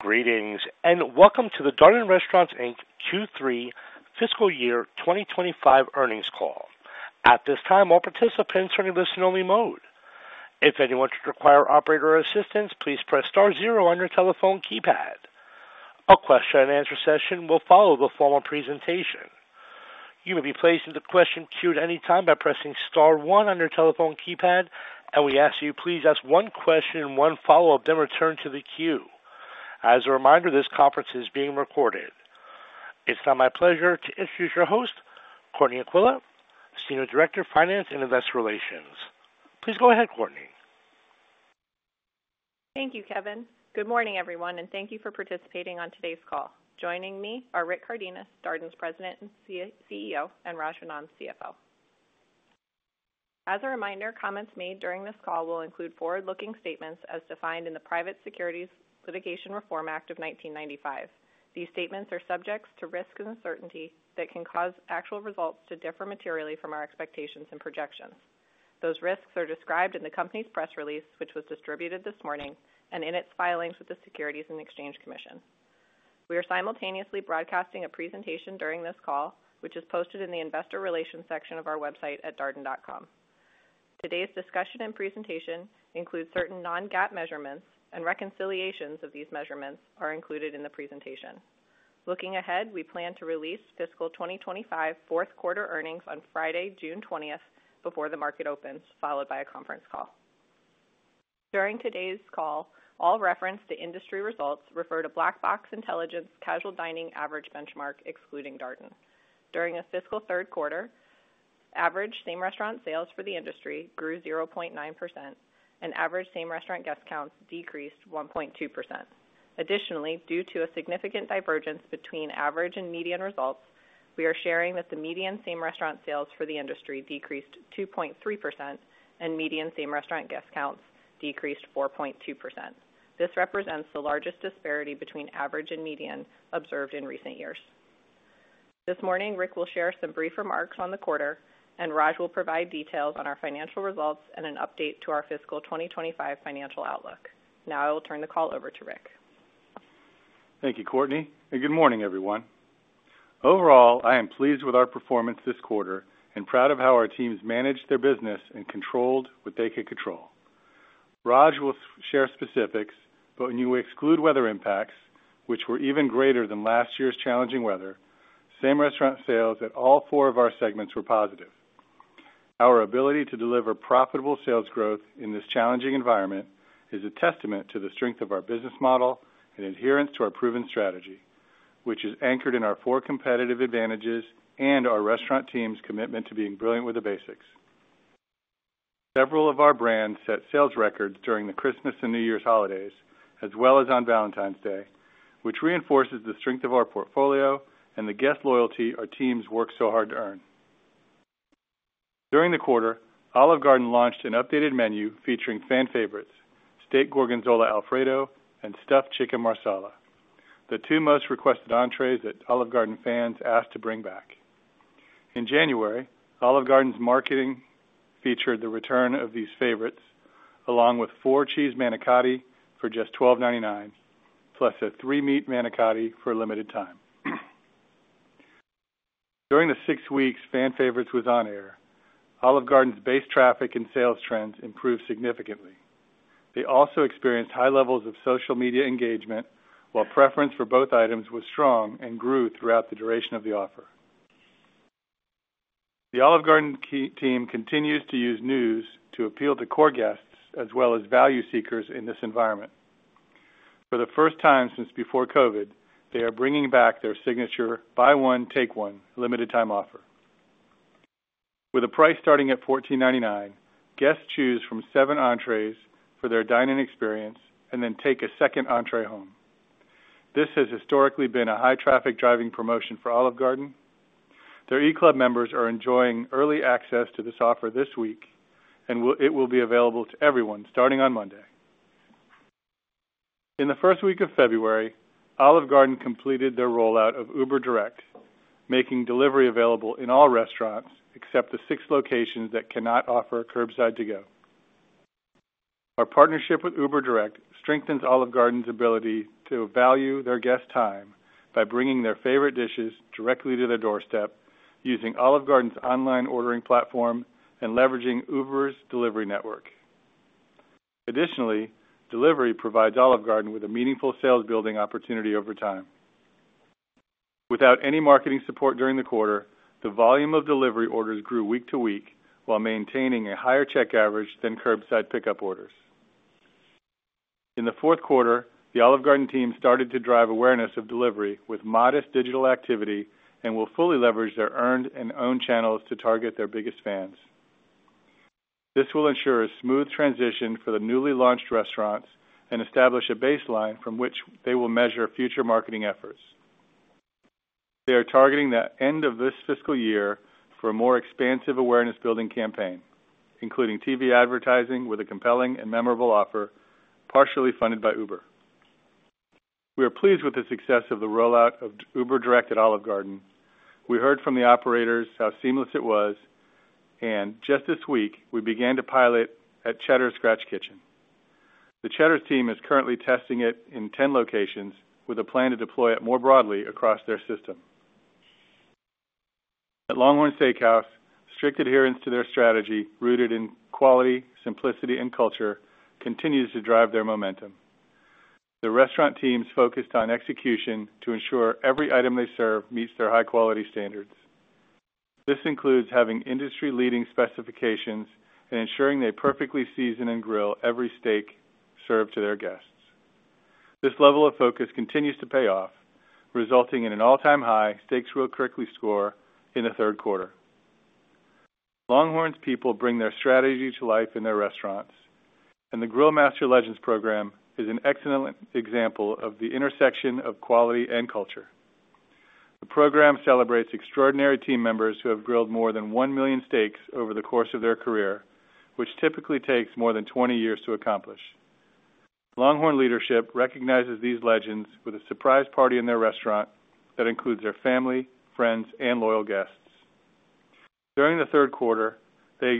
Greetings, and welcome to the Darden Restaurants Q3 fiscal year 2025 earnings call. At this time, all participants are in listen-only mode. If anyone should require operator assistance, please press star zero on your telephone keypad. A question-and-answer session will follow the formal presentation. You may be placed into question queue at any time by pressing star one on your telephone keypad, and we ask that you please ask one question and one follow-up, then return to the queue. As a reminder, this conference is being recorded. It's now my pleasure to introduce your host, Courtney Aquilla, Senior Director of Finance and Investor Relations. Please go ahead, Courtney. Thank you, Kevin. Good morning, everyone, and thank you for participating on today's call. Joining me are Rick Cardenas, Darden's President and CEO, and Raj Vennam, CFO. As a reminder, comments made during this call will include forward-looking statements as defined in the Private Securities Litigation Reform Act of 1995. These statements are subject to risks and uncertainty that can cause actual results to differ materially from our expectations and projections. Those risks are described in the company's press release, which was distributed this morning, and in its filings with the Securities and Exchange Commission. We are simultaneously broadcasting a presentation during this call, which is posted in the investor relations section of our website at darden.com. Today's discussion and presentation include certain non-GAAP measurements, and reconciliations of these measurements are included in the presentation. Looking ahead, we plan to release fiscal 2025 fourth quarter earnings on Friday, June 20th, before the market opens, followed by a conference call. During today's call, all reference to industry results refer to Black Box Intelligence casual dining average benchmark, excluding Darden. During the fiscal third quarter, average same restaurant sales for the industry grew 0.9%, and average same restaurant guest counts decreased 1.2%. Additionally, due to a significant divergence between average and median results, we are sharing that the median same restaurant sales for the industry decreased 2.3%, and median same restaurant guest counts decreased 4.2%. This represents the largest disparity between average and median observed in recent years. This morning, Rick will share some brief remarks on the quarter, and Raj will provide details on our financial results and an update to our fiscal 2025 financial outlook. Now I will turn the call over to Rick. Thank you, Courtney, and good morning, everyone. Overall, I am pleased with our performance this quarter and proud of how our teams managed their business and controlled what they could control. Raj will share specifics, but when you exclude weather impacts, which were even greater than last year's challenging weather, same restaurant sales at all four of our segments were positive. Our ability to deliver profitable sales growth in this challenging environment is a testament to the strength of our business model and adherence to our proven strategy, which is anchored in our four competitive advantages and our restaurant team's commitment to being brilliant with the basics. Several of our brands set sales records during the Christmas and New Year's holidays, as well as on Valentine's Day, which reinforces the strength of our portfolio and the guest loyalty our teams worked so hard to earn. During the quarter, Olive Garden launched an updated menu featuring fan favorites: steak gorgonzola Alfredo and stuffed chicken marsala, the two most requested entrees that Olive Garden fans asked to bring back. In January, Olive Garden's marketing featured the return of these favorites, along with four cheese manicotti for just $12.99, plus a three-meat manicotti for a limited time. During the six weeks fan favorites was on air, Olive Garden's base traffic and sales trends improved significantly. They also experienced high levels of social media engagement, while preference for both items was strong and grew throughout the duration of the offer. The Olive Garden team continues to use news to appeal to core guests as well as value seekers in this environment. For the first time since before COVID, they are bringing back their signature buy one, take one limited-time offer. With a price starting at $14.99, guests choose from seven entrees for their dining experience and then take a second entree home. This has historically been a high-traffic driving promotion for Olive Garden. Their e-club members are enjoying early access to this offer this week, and it will be available to everyone starting on Monday. In the first week of February, Olive Garden completed their rollout of UberDirect, making delivery available in all restaurants except the six locations that cannot offer curbside to go. Our partnership with UberDirect strengthens Olive Garden's ability to value their guests' time by bringing their favorite dishes directly to their doorstep using Olive Garden's online ordering platform and leveraging Uber's delivery network. Additionally, delivery provides Olive Garden with a meaningful sales-building opportunity over time. Without any marketing support during the quarter, the volume of delivery orders grew week to week while maintaining a higher check average than curbside pickup orders. In the fourth quarter, the Olive Garden team started to drive awareness of delivery with modest digital activity and will fully leverage their earned and owned channels to target their biggest fans. This will ensure a smooth transition for the newly launched restaurants and establish a baseline from which they will measure future marketing efforts. They are targeting the end of this fiscal year for a more expansive awareness-building campaign, including TV advertising with a compelling and memorable offer partially funded by Uber. We are pleased with the success of the rollout of UberDirect at Olive Garden. We heard from the operators how seamless it was, and just this week, we began to pilot at Cheddar's Scratch Kitchen. The Cheddar's team is currently testing it in 10 locations with a plan to deploy it more broadly across their system. At LongHorn Steakhouse, strict adherence to their strategy rooted in quality, simplicity, and culture continues to drive their momentum. The restaurant team's focus on execution to ensure every item they serve meets their high-quality standards. This includes having industry-leading specifications and ensuring they perfectly season and grill every steak served to their guests. This level of focus continues to pay off, resulting in an all-time high steaks grilled correctly score in the third quarter. LongHorn's people bring their strategy to life in their restaurants, and the Grill Master Legends program is an excellent example of the intersection of quality and culture. The program celebrates extraordinary team members who have grilled more than one million steaks over the course of their career, which typically takes more than 20 years to accomplish. LongHorn leadership recognizes these legends with a surprise party in their restaurant that includes their family, friends, and loyal guests. During the third quarter, they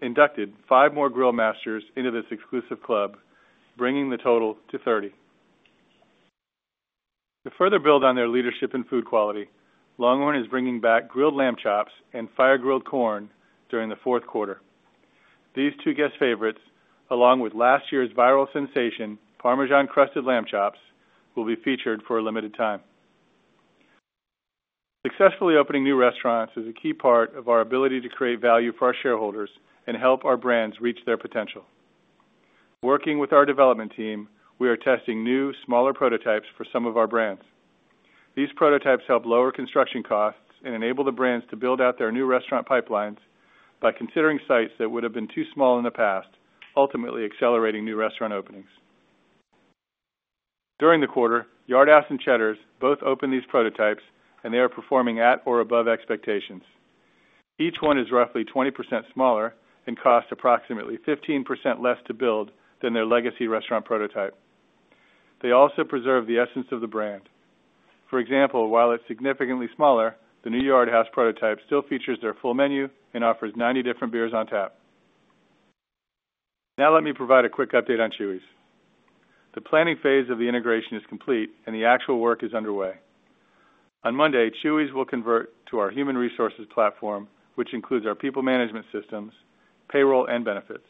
inducted five more grill masters into this exclusive club, bringing the total to 30. To further build on their leadership in food quality, LongHorn is bringing back grilled lamb chops and fire-grilled corn during the fourth quarter. These two guest favorites, along with last year's viral sensation, Parmesan crusted lamb chops, will be featured for a limited time. Successfully opening new restaurants is a key part of our ability to create value for our shareholders and help our brands reach their potential. Working with our development team, we are testing new, smaller prototypes for some of our brands. These prototypes help lower construction costs and enable the brands to build out their new restaurant pipelines by considering sites that would have been too small in the past, ultimately accelerating new restaurant openings. During the quarter, Yard House and Cheddar's both opened these prototypes, and they are performing at or above expectations. Each one is roughly 20% smaller and costs approximately 15% less to build than their legacy restaurant prototype. They also preserve the essence of the brand. For example, while it's significantly smaller, the new Yard House prototype still features their full menu and offers 90 different beers on tap. Now let me provide a quick update on Chuy's. The planning phase of the integration is complete, and the actual work is underway. On Monday, Chuy's will convert to our human resources platform, which includes our people management systems, payroll, and benefits.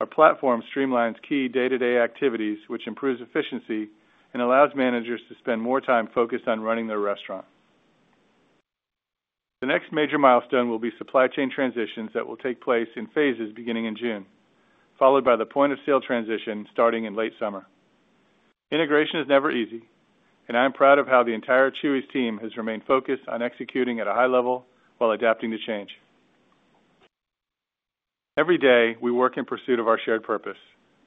Our platform streamlines key day-to-day activities, which improves efficiency and allows managers to spend more time focused on running their restaurant. The next major milestone will be supply chain transitions that will take place in phases beginning in June, followed by the point-of-sale transition starting in late summer. Integration is never easy, and I'm proud of how the entire Chuy's team has remained focused on executing at a high level while adapting to change. Every day, we work in pursuit of our shared purpose: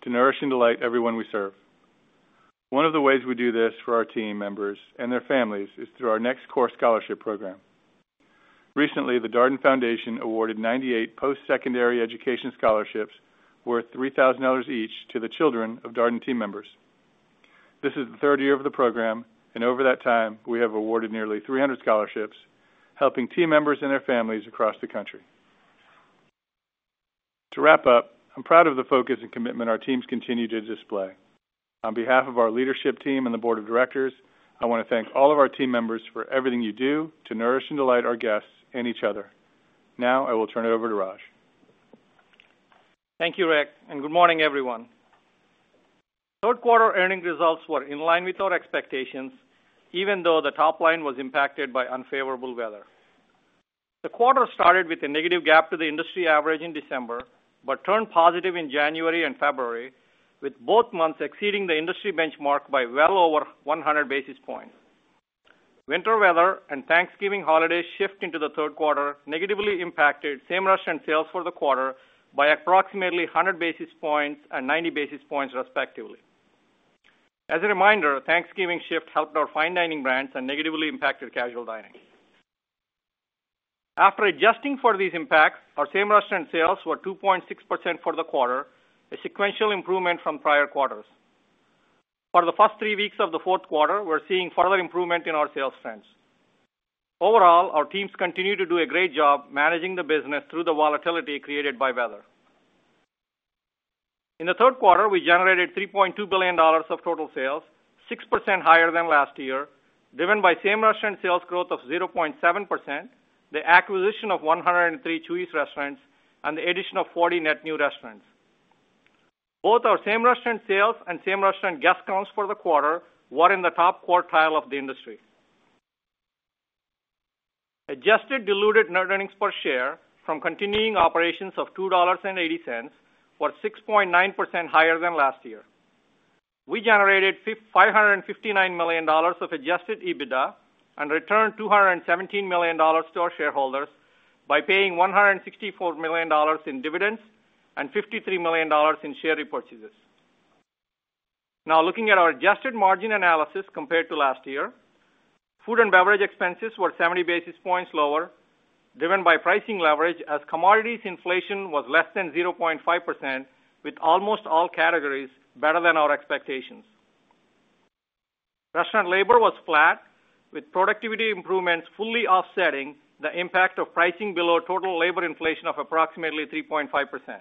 to nourish and delight everyone we serve. One of the ways we do this for our team members and their families is through our Next Core Scholarship Program. Recently, the Darden Foundation awarded 98 post-secondary education scholarships worth $3,000 each to the children of Darden team members. This is the third year of the program, and over that time, we have awarded nearly 300 scholarships, helping team members and their families across the country. To wrap up, I'm proud of the focus and commitment our teams continue to display. On behalf of our leadership team and the board of directors, I want to thank all of our team members for everything you do to nourish and delight our guests and each other. Now I will turn it over to Raj. Thank you, Rick, and good morning, everyone. Third quarter earning results were in line with our expectations, even though the top line was impacted by unfavorable weather. The quarter started with a negative gap to the industry average in December but turned positive in January and February, with both months exceeding the industry benchmark by well over 100 basis points. Winter weather and Thanksgiving holiday shift into the third quarter negatively impacted same restaurant sales for the quarter by approximately 100 basis points and 90 basis points, respectively. As a reminder, Thanksgiving shift helped our fine dining brands and negatively impacted casual dining. After adjusting for these impacts, our same restaurant sales were 2.6% for the quarter, a sequential improvement from prior quarters. For the first three weeks of the fourth quarter, we're seeing further improvement in our sales trends. Overall, our teams continue to do a great job managing the business through the volatility created by weather. In the third quarter, we generated $3.2 billion of total sales, 6% higher than last year, driven by same restaurant sales growth of 0.7%, the acquisition of 103 Chuy's restaurants, and the addition of 40 net new restaurants. Both our same restaurant sales and same restaurant guest counts for the quarter were in the top quartile of the industry. Adjusted diluted net earnings per share from continuing operations of $2.80 were 6.9% higher than last year. We generated $559 million of adjusted EBITDA and returned $217 million to our shareholders by paying $164 million in dividends and $53 million in share repurchases. Now, looking at our adjusted margin analysis compared to last year, food and beverage expenses were 70 basis points lower, driven by pricing leverage as commodities inflation was less than 0.5%, with almost all categories better than our expectations. Restaurant labor was flat, with productivity improvements fully offsetting the impact of pricing below total labor inflation of approximately 3.5%.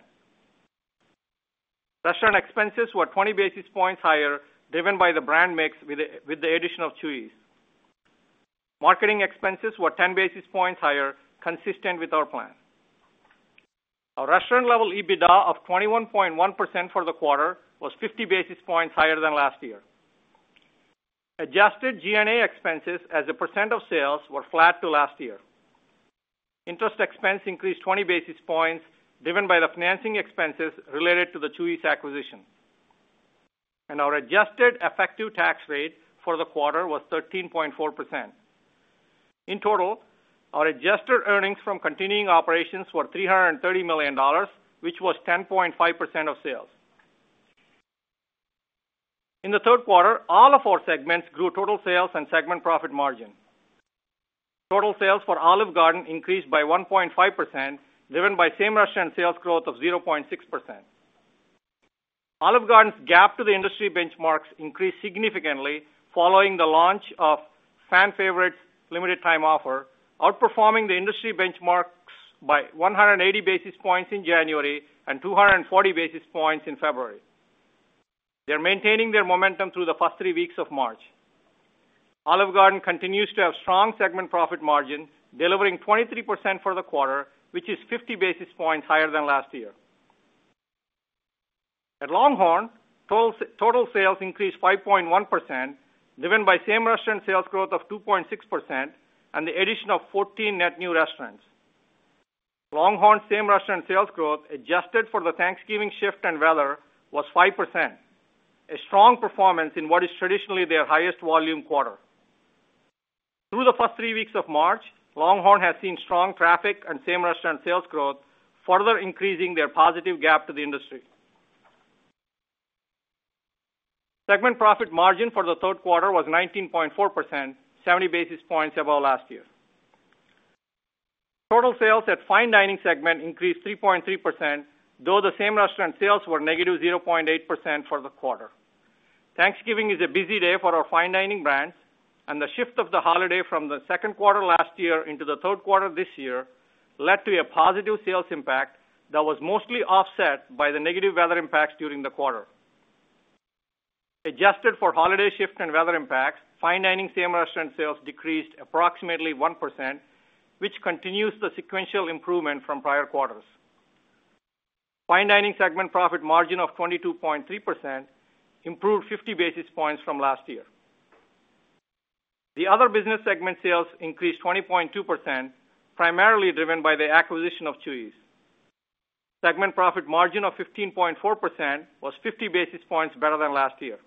Restaurant expenses were 20 basis points higher, driven by the brand mix with the addition of Chuy's. Marketing expenses were 10 basis points higher, consistent with our plan. Our restaurant-level EBITDA of 21.1% for the quarter was 50 basis points higher than last year. Adjusted G&A expenses as a percent of sales were flat to last year. Interest expense increased 20 basis points, driven by the financing expenses related to the Chuy's acquisition. Our adjusted effective tax rate for the quarter was 13.4%. In total, our adjusted earnings from continuing operations were $330 million, which was 10.5% of sales. In the third quarter, all of our segments grew total sales and segment profit margin. Total sales for Olive Garden increased by 1.5%, driven by same restaurant sales growth of 0.6%. Olive Garden's gap to the industry benchmarks increased significantly following the launch of fan favorites limited-time offer, outperforming the industry benchmarks by 180 basis points in January and 240 basis points in February. They are maintaining their momentum through the first three weeks of March. Olive Garden continues to have strong segment profit margins, delivering 23% for the quarter, which is 50 basis points higher than last year. At LongHorn, total sales increased 5.1%, driven by same restaurant sales growth of 2.6% and the addition of 14 net new restaurants. LongHorn's same restaurant sales growth, adjusted for the Thanksgiving shift and weather, was 5%, a strong performance in what is traditionally their highest volume quarter. Through the first three weeks of March, LongHorn has seen strong traffic and same restaurant sales growth, further increasing their positive gap to the industry. Segment profit margin for the third quarter was 19.4%, 70 basis points above last year. Total sales at fine dining segment increased 3.3%, though the same restaurant sales were negative 0.8% for the quarter. Thanksgiving is a busy day for our fine dining brands, and the shift of the holiday from the second quarter last year into the third quarter this year led to a positive sales impact that was mostly offset by the negative weather impacts during the quarter. Adjusted for holiday shift and weather impacts, fine dining same restaurant sales decreased approximately 1%, which continues the sequential improvement from prior quarters. Fine dining segment profit margin of 22.3% improved 50 basis points from last year. The other business segment sales increased 20.2%, primarily driven by the acquisition of Chuy's. Segment profit margin of 15.4% was 50 basis points better than last year.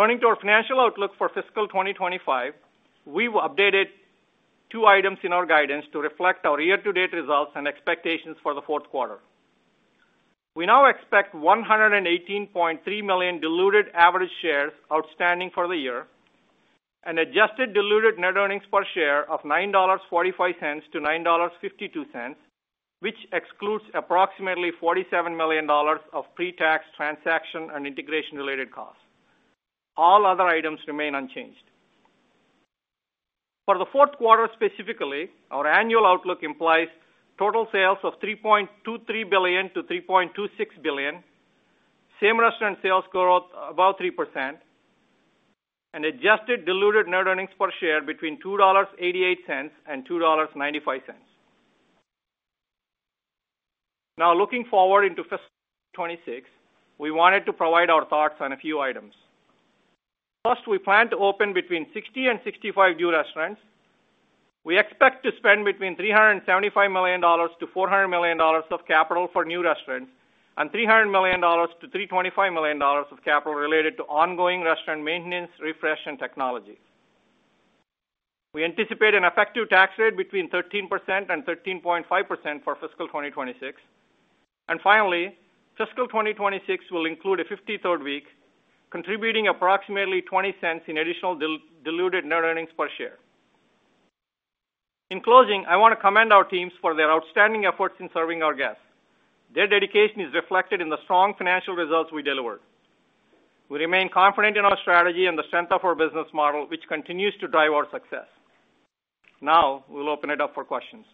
Turning to our financial outlook for fiscal 2025, we've updated two items in our guidance to reflect our year-to-date results and expectations for the fourth quarter. We now expect 118.3 million diluted average shares outstanding for the year and adjusted diluted net earnings per share of $9.45-$9.52, which excludes approximately $47 million of pre-tax transaction and integration-related costs. All other items remain unchanged. For the fourth quarter specifically, our annual outlook implies total sales of $3.23 billion-$3.26 billion, same restaurant sales growth above 3%, and adjusted diluted net earnings per share between $2.88 and $2.95. Now, looking forward into fiscal 2026, we wanted to provide our thoughts on a few items. First, we plan to open between 60 and 65 new restaurants. We expect to spend between $375 million-$400 million of capital for new restaurants and $300 million-$325 million of capital related to ongoing restaurant maintenance, refresh, and technology. We anticipate an effective tax rate between 13%-13.5% for fiscal 2026. Finally, fiscal 2026 will include a 53rd week, contributing approximately $0.20 in additional diluted net earnings per share. In closing, I want to commend our teams for their outstanding efforts in serving our guests. Their dedication is reflected in the strong financial results we delivered. We remain confident in our strategy and the strength of our business model, which continues to drive our success. Now, we'll open it up for questions.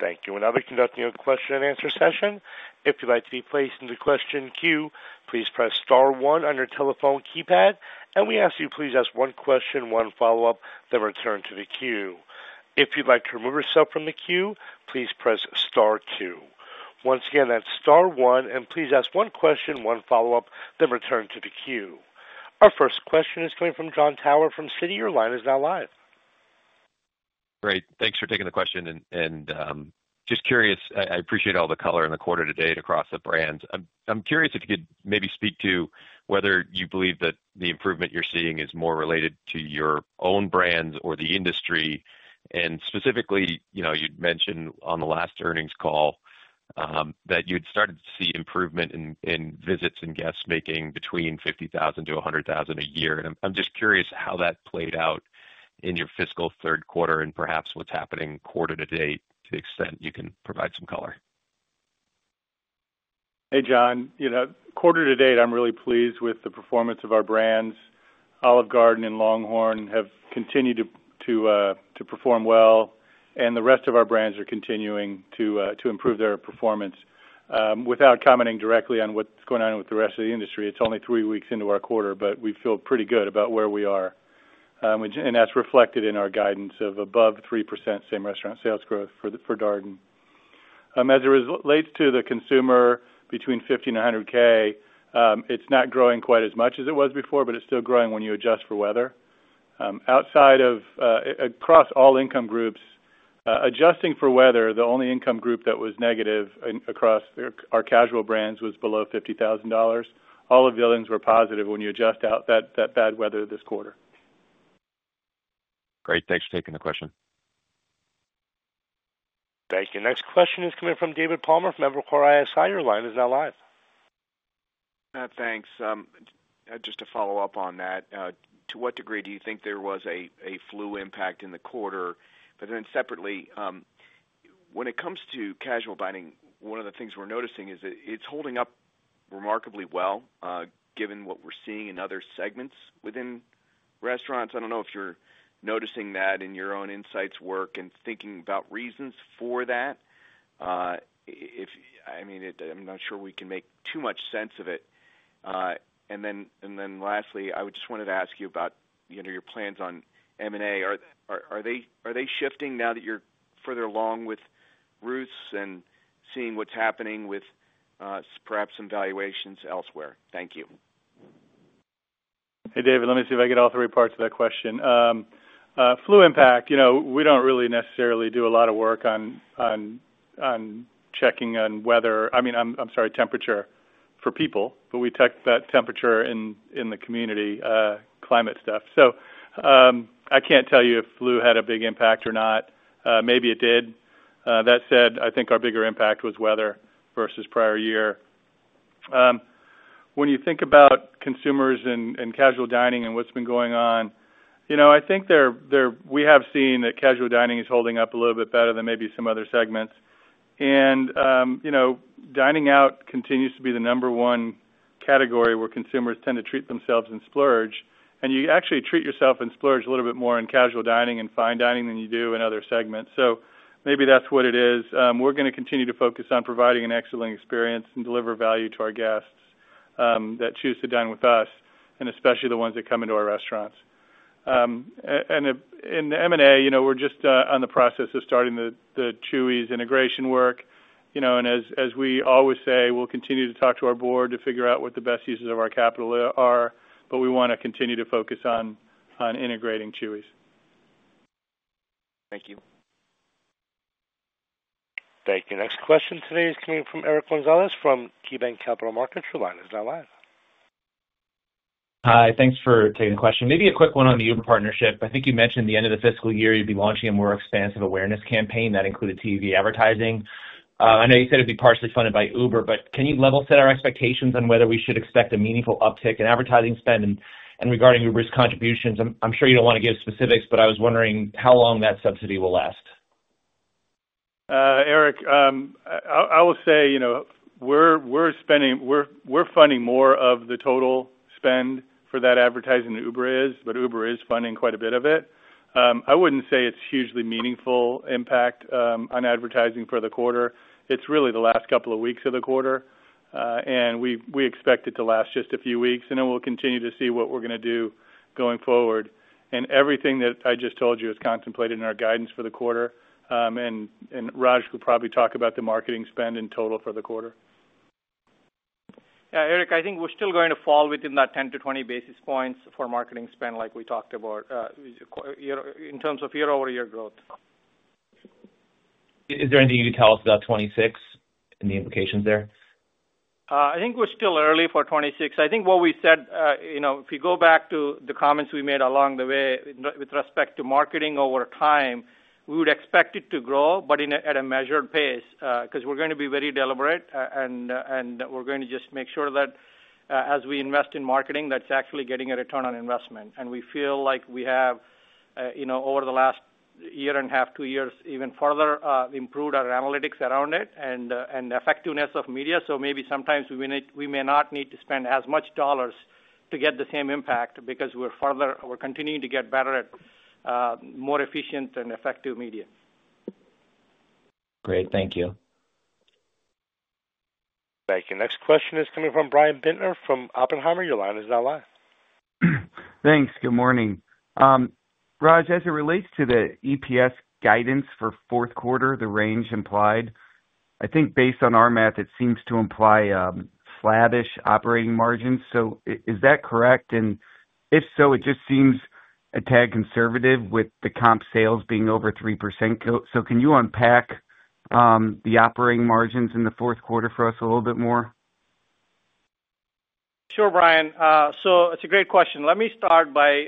Thank you. Another conducting a question and answer session. If you'd like to be placed in the question queue, please press star one on your telephone keypad, and we ask that you please ask one question, one follow-up, then return to the queue. If you'd like to remove yourself from the queue, please press star two. Once again, that's star one, and please ask one question, one follow-up, then return to the queue. Our first question is coming from Jon Tower from Citi. Your line is now live. Great. Thanks for taking the question. I appreciate all the color in the quarter to date across the brands. I'm curious if you could maybe speak to whether you believe that the improvement you're seeing is more related to your own brands or the industry. Specifically, you'd mentioned on the last earnings call that you'd started to see improvement in visits and guests making between $50,000-$100,000 a year. I'm just curious how that played out in your fiscal third quarter and perhaps what's happening quarter to date to the extent you can provide some color. Hey, Jon. Quarter to date, I'm really pleased with the performance of our brands. Olive Garden and LongHorn have continued to perform well, and the rest of our brands are continuing to improve their performance. Without commenting directly on what's going on with the rest of the industry, it's only three weeks into our quarter, but we feel pretty good about where we are. That is reflected in our guidance of above 3% same restaurant sales growth for Darden. As it relates to the consumer, between $50,000 and $100,000, it's not growing quite as much as it was before, but it's still growing when you adjust for weather. Across all income groups, adjusting for weather, the only income group that was negative across our casual brands was below $50,000. All of the others were positive when you adjust out that bad weather this quarter. Great. Thanks for taking the question. Thank you. Next question is coming from David Palmer from Evercore ISI. Your line is now live. Thanks. Just to follow up on that, to what degree do you think there was a flu impact in the quarter? Separately, when it comes to casual dining, one of the things we're noticing is that it's holding up remarkably well given what we're seeing in other segments within restaurants. I don't know if you're noticing that in your own insights work and thinking about reasons for that. I mean, I'm not sure we can make too much sense of it. Lastly, I just wanted to ask you about your plans on M&A. Are they shifting now that you're further along with Ruth's and seeing what's happening with perhaps some valuations elsewhere? Thank you. Hey, David. Let me see if I get all three parts of that question. Flu impact, we do not really necessarily do a lot of work on checking on weather. I mean, I am sorry, temperature for people, but we check that temperature in the community climate stuff. So I cannot tell you if flu had a big impact or not. Maybe it did. That said, I think our bigger impact was weather versus prior year. When you think about consumers and casual dining and what has been going on, I think we have seen that casual dining is holding up a little bit better than maybe some other segments. Dining out continues to be the number one category where consumers tend to treat themselves in splurge. You actually treat yourself in splurge a little bit more in casual dining and fine dining than you do in other segments. Maybe that's what it is. We're going to continue to focus on providing an excellent experience and deliver value to our guests that choose to dine with us, and especially the ones that come into our restaurants. In the M&A, we're just on the process of starting the Chuy's integration work. As we always say, we'll continue to talk to our board to figure out what the best uses of our capital are, but we want to continue to focus on integrating Chuy's. Thank you. Thank you. Next question today is coming from Eric Gonzalez from KeyBanc Capital Markets. Your line is now live. Hi. Thanks for taking the question. Maybe a quick one on the Uber partnership. I think you mentioned at the end of the fiscal year, you'd be launching a more expansive awareness campaign that included TV advertising. I know you said it'd be partially funded by Uber, but can you level set our expectations on whether we should expect a meaningful uptick in advertising spend? Regarding Uber's contributions, I'm sure you don't want to give specifics, but I was wondering how long that subsidy will last. Eric, I will say we're funding more of the total spend for that advertising than Uber is, but Uber is funding quite a bit of it. I wouldn't say it's hugely meaningful impact on advertising for the quarter. It's really the last couple of weeks of the quarter, and we expect it to last just a few weeks, and we'll continue to see what we're going to do going forward. Everything that I just told you is contemplated in our guidance for the quarter. Raj could probably talk about the marketing spend in total for the quarter. Yeah, Eric, I think we're still going to fall within that 10-20 basis points for marketing spend like we talked about in terms of year-over-year growth. Is there anything you could tell us about 2026 and the implications there? I think we're still early for 2026. I think what we said, if you go back to the comments we made along the way with respect to marketing over time, we would expect it to grow, but at a measured pace because we're going to be very deliberate, and we're going to just make sure that as we invest in marketing, that's actually getting a return on investment. We feel like we have, over the last year and a half, two years, even further improved our analytics around it and effectiveness of media. Maybe sometimes we may not need to spend as much dollars to get the same impact because we're continuing to get better at more efficient and effective media. Great. Thank you. Thank you. Next question is coming from Brian Bittner from Oppenheimer. Your line is now live. Thanks. Good morning. Raj, as it relates to the EPS guidance for fourth quarter, the range implied, I think based on our math, it seems to imply slabbish operating margins. Is that correct? If so, it just seems a tad conservative with the comp sales being over 3%. Can you unpack the operating margins in the fourth quarter for us a little bit more? Sure, Brian. It's a great question. Let me start by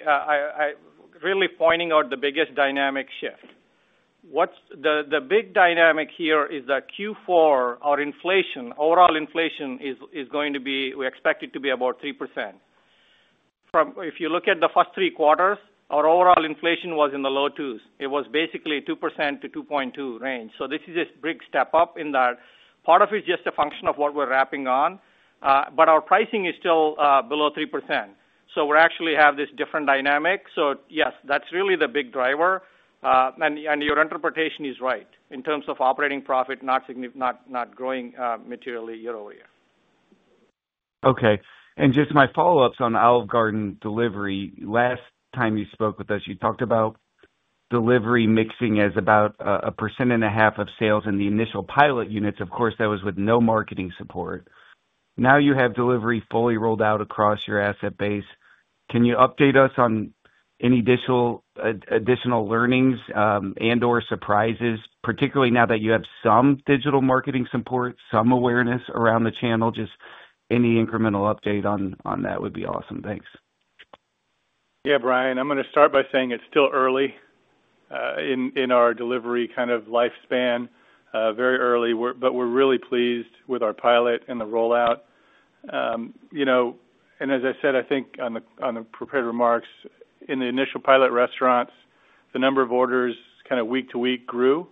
really pointing out the biggest dynamic shift. The big dynamic here is that Q4, our inflation, overall inflation is going to be, we expect it to be about 3%. If you look at the first three quarters, our overall inflation was in the low twos. It was basically 2%-2.2% range. This is a big step up in that. Part of it's just a function of what we're wrapping on, but our pricing is still below 3%. We actually have this different dynamic. Yes, that's really the big driver. Your interpretation is right in terms of operating profit not growing materially year-over-year. Okay. Just my follow-ups on Olive Garden delivery. Last time you spoke with us, you talked about delivery mixing as about a percent and a half of sales in the initial pilot units. Of course, that was with no marketing support. Now you have delivery fully rolled out across your asset base. Can you update us on any additional learnings and/or surprises, particularly now that you have some digital marketing support, some awareness around the channel? Just any incremental update on that would be awesome. Thanks. Yeah, Brian. I'm going to start by saying it's still early in our delivery kind of lifespan. Very early, but we're really pleased with our pilot and the rollout. As I said, I think on the prepared remarks, in the initial pilot restaurants, the number of orders kind of week to week grew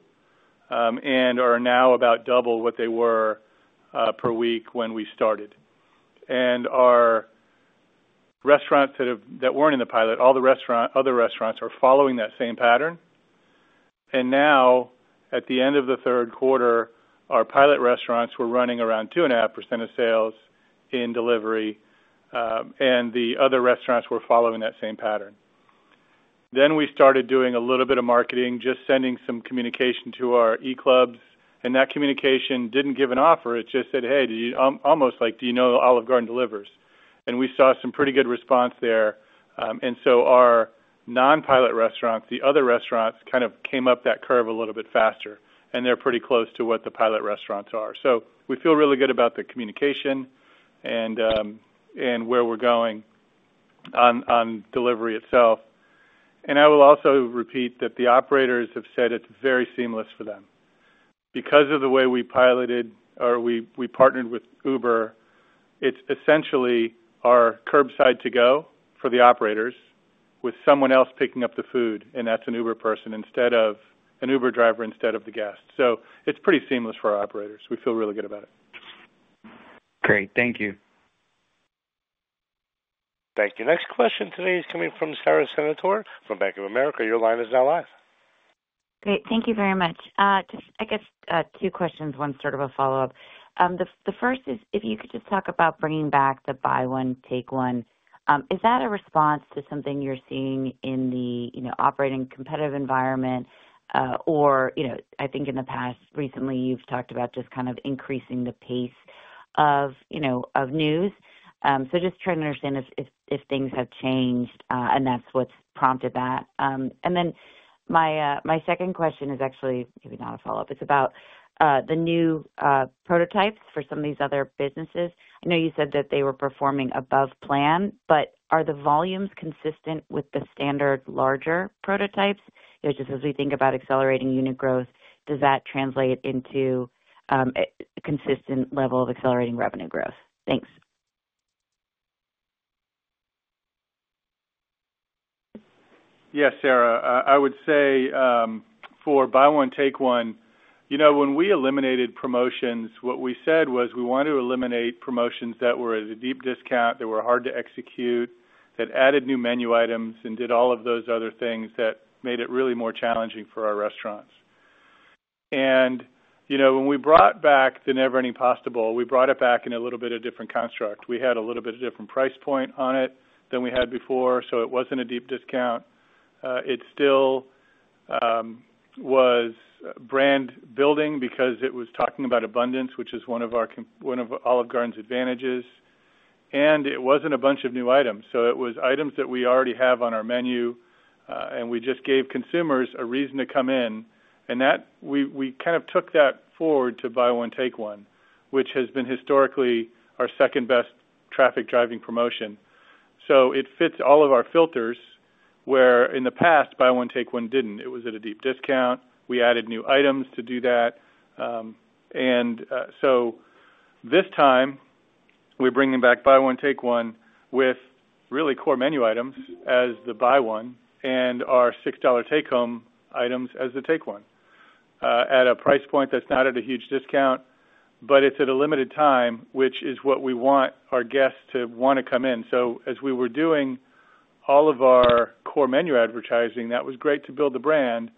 and are now about double what they were per week when we started. Our restaurants that were not in the pilot, all the other restaurants, are following that same pattern. At the end of the third quarter, our pilot restaurants were running around 2.5% of sales in delivery, and the other restaurants were following that same pattern. We started doing a little bit of marketing, just sending some communication to our e-clubs. That communication did not give an offer. It just said, "Hey," almost like, "Do you know Olive Garden delivers?" We saw some pretty good response there. Our non-pilot restaurants, the other restaurants, kind of came up that curve a little bit faster, and they are pretty close to what the pilot restaurants are. We feel really good about the communication and where we are going on delivery itself. I will also repeat that the operators have said it is very seamless for them. Because of the way we piloted or we partnered with Uber, it is essentially our curbside to go for the operators with someone else picking up the food, and that is an Uber driver instead of the guest. It is pretty seamless for our operators. We feel really good about it. Great. Thank you. Thank you. Next question today is coming from Sara Senatore from Bank of America. Your line is now live. Great. Thank you very much. Just I guess two questions, one sort of a follow-up. The first is if you could just talk about bringing back the buy one, take one. Is that a response to something you're seeing in the operating competitive environment? I think in the past, recently, you've talked about just kind of increasing the pace of news. Just trying to understand if things have changed, and that's what's prompted that. My second question is actually maybe not a follow-up. It's about the new prototypes for some of these other businesses. I know you said that they were performing above plan, but are the volumes consistent with the standard larger prototypes? Just as we think about accelerating unit growth, does that translate into a consistent level of accelerating revenue growth? Thanks. Yes, Sara. I would say for buy one, take one, when we eliminated promotions, what we said was we wanted to eliminate promotions that were at a deep discount, that were hard to execute, that added new menu items, and did all of those other things that made it really more challenging for our restaurants. When we brought back the never-ending possible, we brought it back in a little bit of different construct. We had a little bit of different price point on it than we had before, so it was not a deep discount. It still was brand building because it was talking about abundance, which is one of Olive Garden's advantages. It was not a bunch of new items. It was items that we already have on our menu, and we just gave consumers a reason to come in. We kind of took that forward to buy one, take one, which has been historically our second-best traffic-driving promotion. It fits all of our filters where in the past, buy one, take one did not. It was at a deep discount. We added new items to do that. This time, we are bringing back buy one, take one with really core menu items as the buy one and our $6 take-home items as the take one at a price point that is not at a huge discount, but it is at a limited time, which is what we want our guests to want to come in. As we were doing all of our core menu advertising, that was great to build the brand, but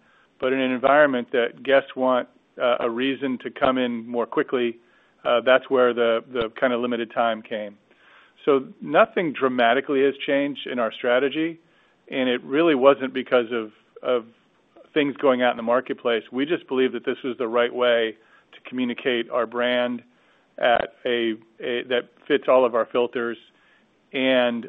in an environment that guests want a reason to come in more quickly, that is where the kind of limited time came. Nothing dramatically has changed in our strategy, and it really wasn't because of things going out in the marketplace. We just believe that this was the right way to communicate our brand that fits all of our filters. In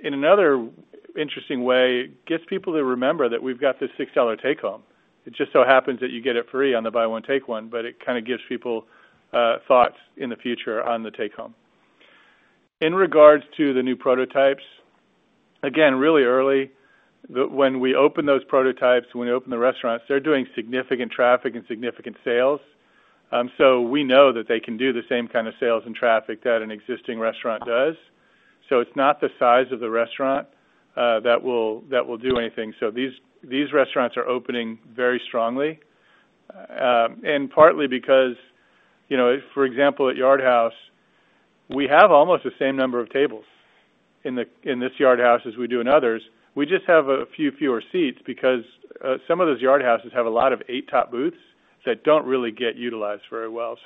another interesting way, it gets people to remember that we've got this $6 take-home. It just so happens that you get it free on the buy one, take one, but it kind of gives people thoughts in the future on the take-home. In regards to the new prototypes, again, really early, when we open those prototypes, when we open the restaurants, they're doing significant traffic and significant sales. We know that they can do the same kind of sales and traffic that an existing restaurant does. It is not the size of the restaurant that will do anything. These restaurants are opening very strongly, and partly because, for example, at Yard House, we have almost the same number of tables in this Yard House as we do in others. We just have a few fewer seats because some of those Yard Houses have a lot of eight-top booths that do not really get utilized very well,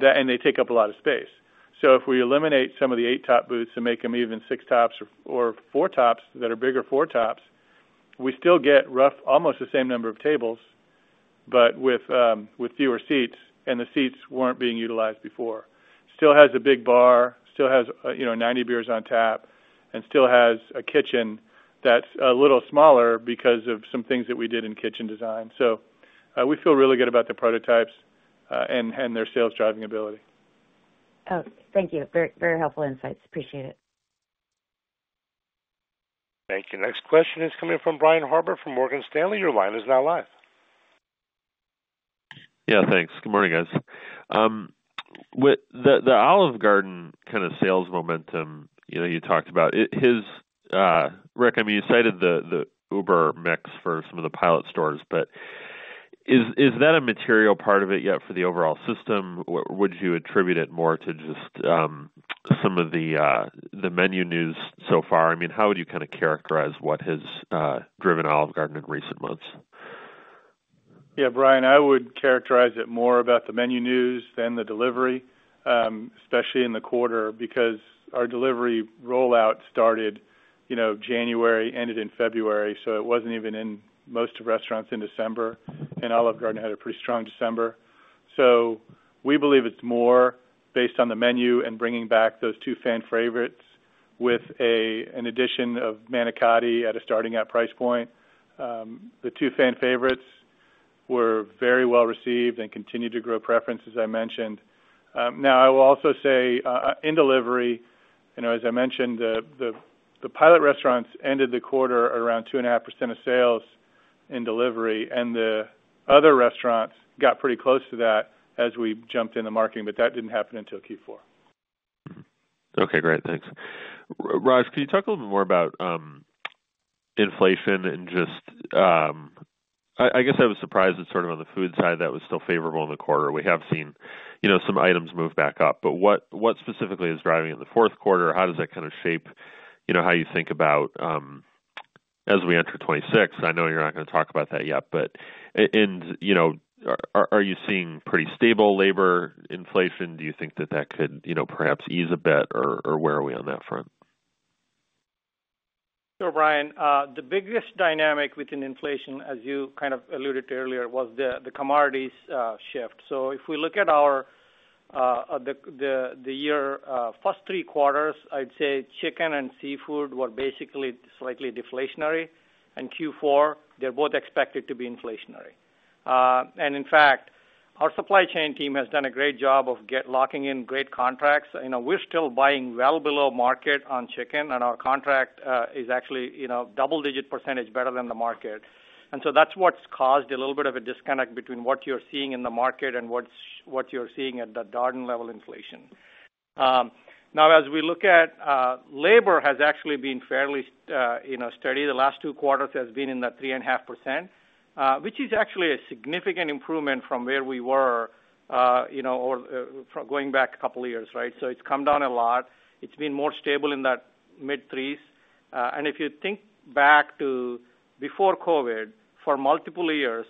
and they take up a lot of space. If we eliminate some of the eight-top booths and make them even six-tops or four-tops that are bigger four-tops, we still get almost the same number of tables, but with fewer seats, and the seats were not being utilized before. Still has a big bar, still has 90 beers on tap, and still has a kitchen that is a little smaller because of some things that we did in kitchen design. We feel really good about the prototypes and their sales-driving ability. Oh, thank you. Very helpful insights. Appreciate it. Thank you. Next question is coming from Brian Harbour from Morgan Stanley. Your line is now live. Yeah, thanks. Good morning, guys. The Olive Garden kind of sales momentum you talked about, Rick, I mean, you cited the Uber mix for some of the pilot stores, but is that a material part of it yet for the overall system? Would you attribute it more to just some of the menu news so far? I mean, how would you kind of characterize what has driven Olive Garden in recent months? Yeah, Brian, I would characterize it more about the menu news than the delivery, especially in the quarter, because our delivery rollout started January, ended in February, so it wasn't even in most of restaurants in December, and Olive Garden had a pretty strong December. We believe it's more based on the menu and bringing back those two fan favorites with an addition of manicotti at a starting-out price point. The two fan favorites were very well received and continue to grow preferences, I mentioned. I will also say in delivery, as I mentioned, the pilot restaurants ended the quarter around 2.5% of sales in delivery, and the other restaurants got pretty close to that as we jumped in the marketing, but that didn't happen until Q4. Okay, great. Thanks. Raj, can you talk a little bit more about inflation and just I guess I was surprised it's sort of on the food side that was still favorable in the quarter. We have seen some items move back up, but what specifically is driving it in the fourth quarter? How does that kind of shape how you think about as we enter 2026? I know you're not going to talk about that yet, but are you seeing pretty stable labor inflation? Do you think that that could perhaps ease a bit, or where are we on that front? Sure, Brian. The biggest dynamic within inflation, as you kind of alluded to earlier, was the commodities shift. If we look at the year's first three quarters, I'd say chicken and seafood were basically slightly deflationary, and Q4, they're both expected to be inflationary. In fact, our supply chain team has done a great job of locking in great contracts. We're still buying well below market on chicken, and our contract is actually double-digit percentage better than the market. That's what's caused a little bit of a disconnect between what you're seeing in the market and what you're seeing at the Darden level inflation. Now, as we look at labor, it has actually been fairly steady. The last two quarters has been in the 3.5%, which is actually a significant improvement from where we were going back a couple of years, right? It has come down a lot. It has been more stable in that mid-threes. If you think back to before COVID, for multiple years,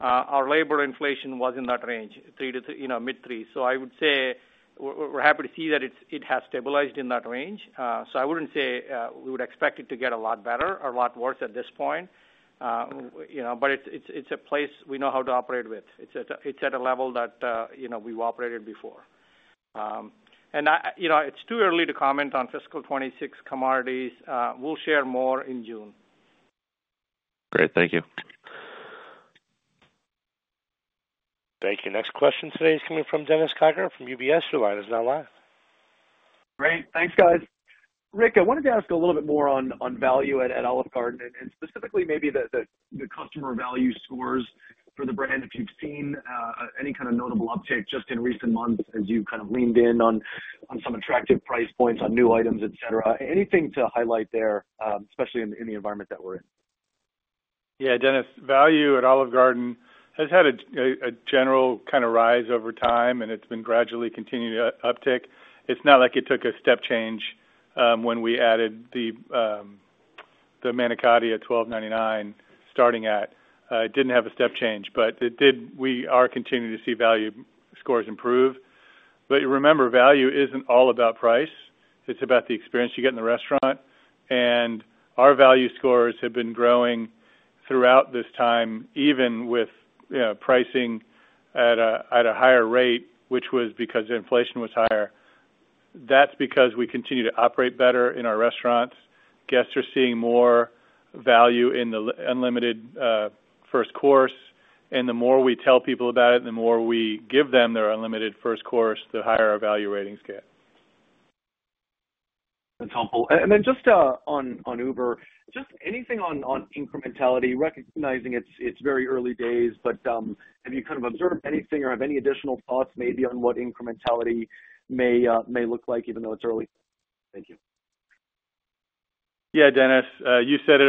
our labor inflation was in that range, mid-threes. I would say we are happy to see that it has stabilized in that range. I would not say we would expect it to get a lot better or a lot worse at this point, but it is a place we know how to operate with. It is at a level that we have operated before. It is too early to comment on fiscal 2026 commodities. We will share more in June. Great. Thank you. Thank you. Next question today is coming from Dennis Geiger from UBS. Your line is now live. Great. Thanks, guys. Rick, I wanted to ask a little bit more on value at Olive Garden and specifically maybe the customer value scores for the brand. If you've seen any kind of notable uptake just in recent months as you kind of leaned in on some attractive price points on new items, etc., anything to highlight there, especially in the environment that we're in? Yeah, Dennis, value at Olive Garden has had a general kind of rise over time, and it's been gradually continuing to uptick. It's not like it took a step change when we added the manicotti at $12.99 starting at. It didn't have a step change. We are continuing to see value scores improve. Remember, value isn't all about price. It's about the experience you get in the restaurant. Our value scores have been growing throughout this time, even with pricing at a higher rate, which was because inflation was higher. That's because we continue to operate better in our restaurants. Guests are seeing more value in the unlimited first course. The more we tell people about it, the more we give them their unlimited first course, the higher our value ratings get. That's helpful. Just on Uber, just anything on incrementality, recognizing it's very early days, but have you kind of observed anything or have any additional thoughts maybe on what incrementality may look like even though it's early? Thank you. Yeah, Dennis, you said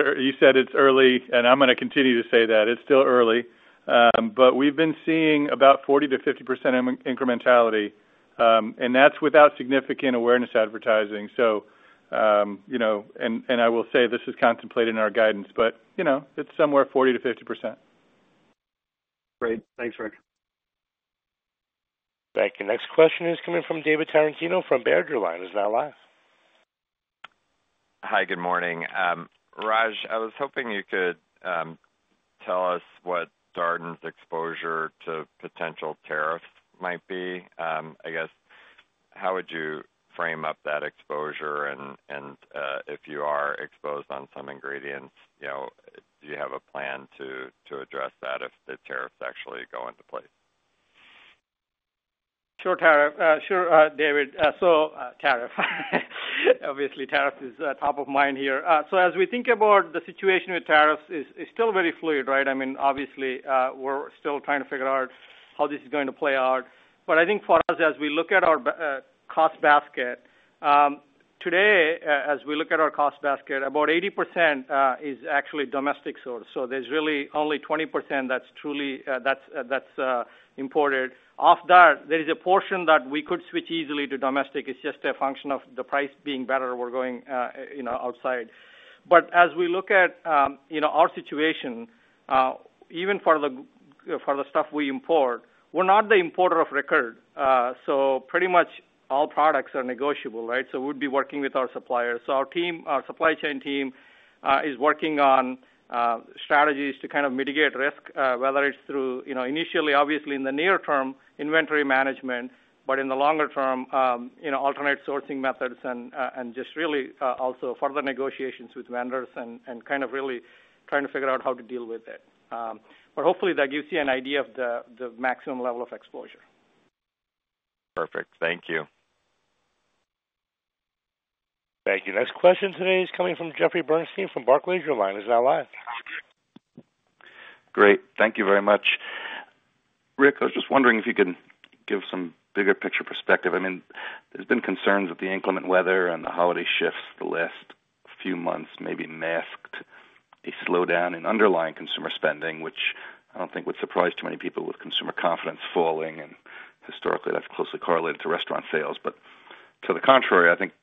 it's early, and I'm going to continue to say that. It's still early, but we've been seeing about 40%-50% incrementality, and that's without significant awareness advertising. I will say this is contemplated in our guidance, but it's somewhere 40%-50%. Great. Thanks, Rick. Thank you. Next question is coming from David Tarantino from Baird. Rewind. He's now live. Hi, good morning. Raj, I was hoping you could tell us what Darden's exposure to potential tariffs might be. I guess, how would you frame up that exposure? If you are exposed on some ingredients, do you have a plan to address that if the tariffs actually go into place? Sure, David. Tariff. Obviously, tariff is top of mind here. As we think about the situation with tariffs, it's still very fluid, right? I mean, obviously, we're still trying to figure out how this is going to play out. I think for us, as we look at our cost basket, today, as we look at our cost basket, about 80% is actually domestic source. There's really only 20% that's imported. Off that, there is a portion that we could switch easily to domestic. It's just a function of the price being better or we're going outside. As we look at our situation, even for the stuff we import, we're not the importer of record. Pretty much all products are negotiable, right? We'd be working with our suppliers. Our supply chain team is working on strategies to kind of mitigate risk, whether it's through initially, obviously, in the near-term, inventory management, but in the longer-term, alternate sourcing methods, and just really also further negotiations with vendors and kind of really trying to figure out how to deal with it. Hopefully, that gives you an idea of the maximum level of exposure. Perfect. Thank you. Thank you. Next question today is coming from Jeffrey Bernstein from Barclays. Your line is now live. Great. Thank you very much. Rick, I was just wondering if you could give some bigger picture perspective. I mean, there's been concerns that the inclement weather and the holiday shifts the last few months maybe masked a slowdown in underlying consumer spending, which I don't think would surprise too many people with consumer confidence falling. And historically, that's closely correlated to restaurant sales. To the contrary, I think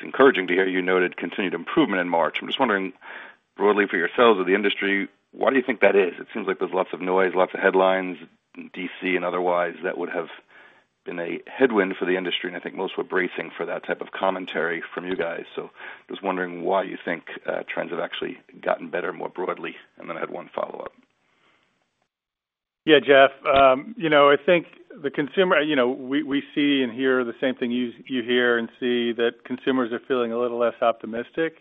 it's encouraging to hear you noted continued improvement in March. I'm just wondering broadly for yourselves or the industry, why do you think that is? It seems like there's lots of noise, lots of headlines in D.C. and otherwise that would have been a headwind for the industry, and I think most were bracing for that type of commentary from you guys. I was wondering why you think trends have actually gotten better more broadly. I had one follow-up. Yeah, Jeff, I think the consumer, we see and hear the same thing you hear and see that consumers are feeling a little less optimistic.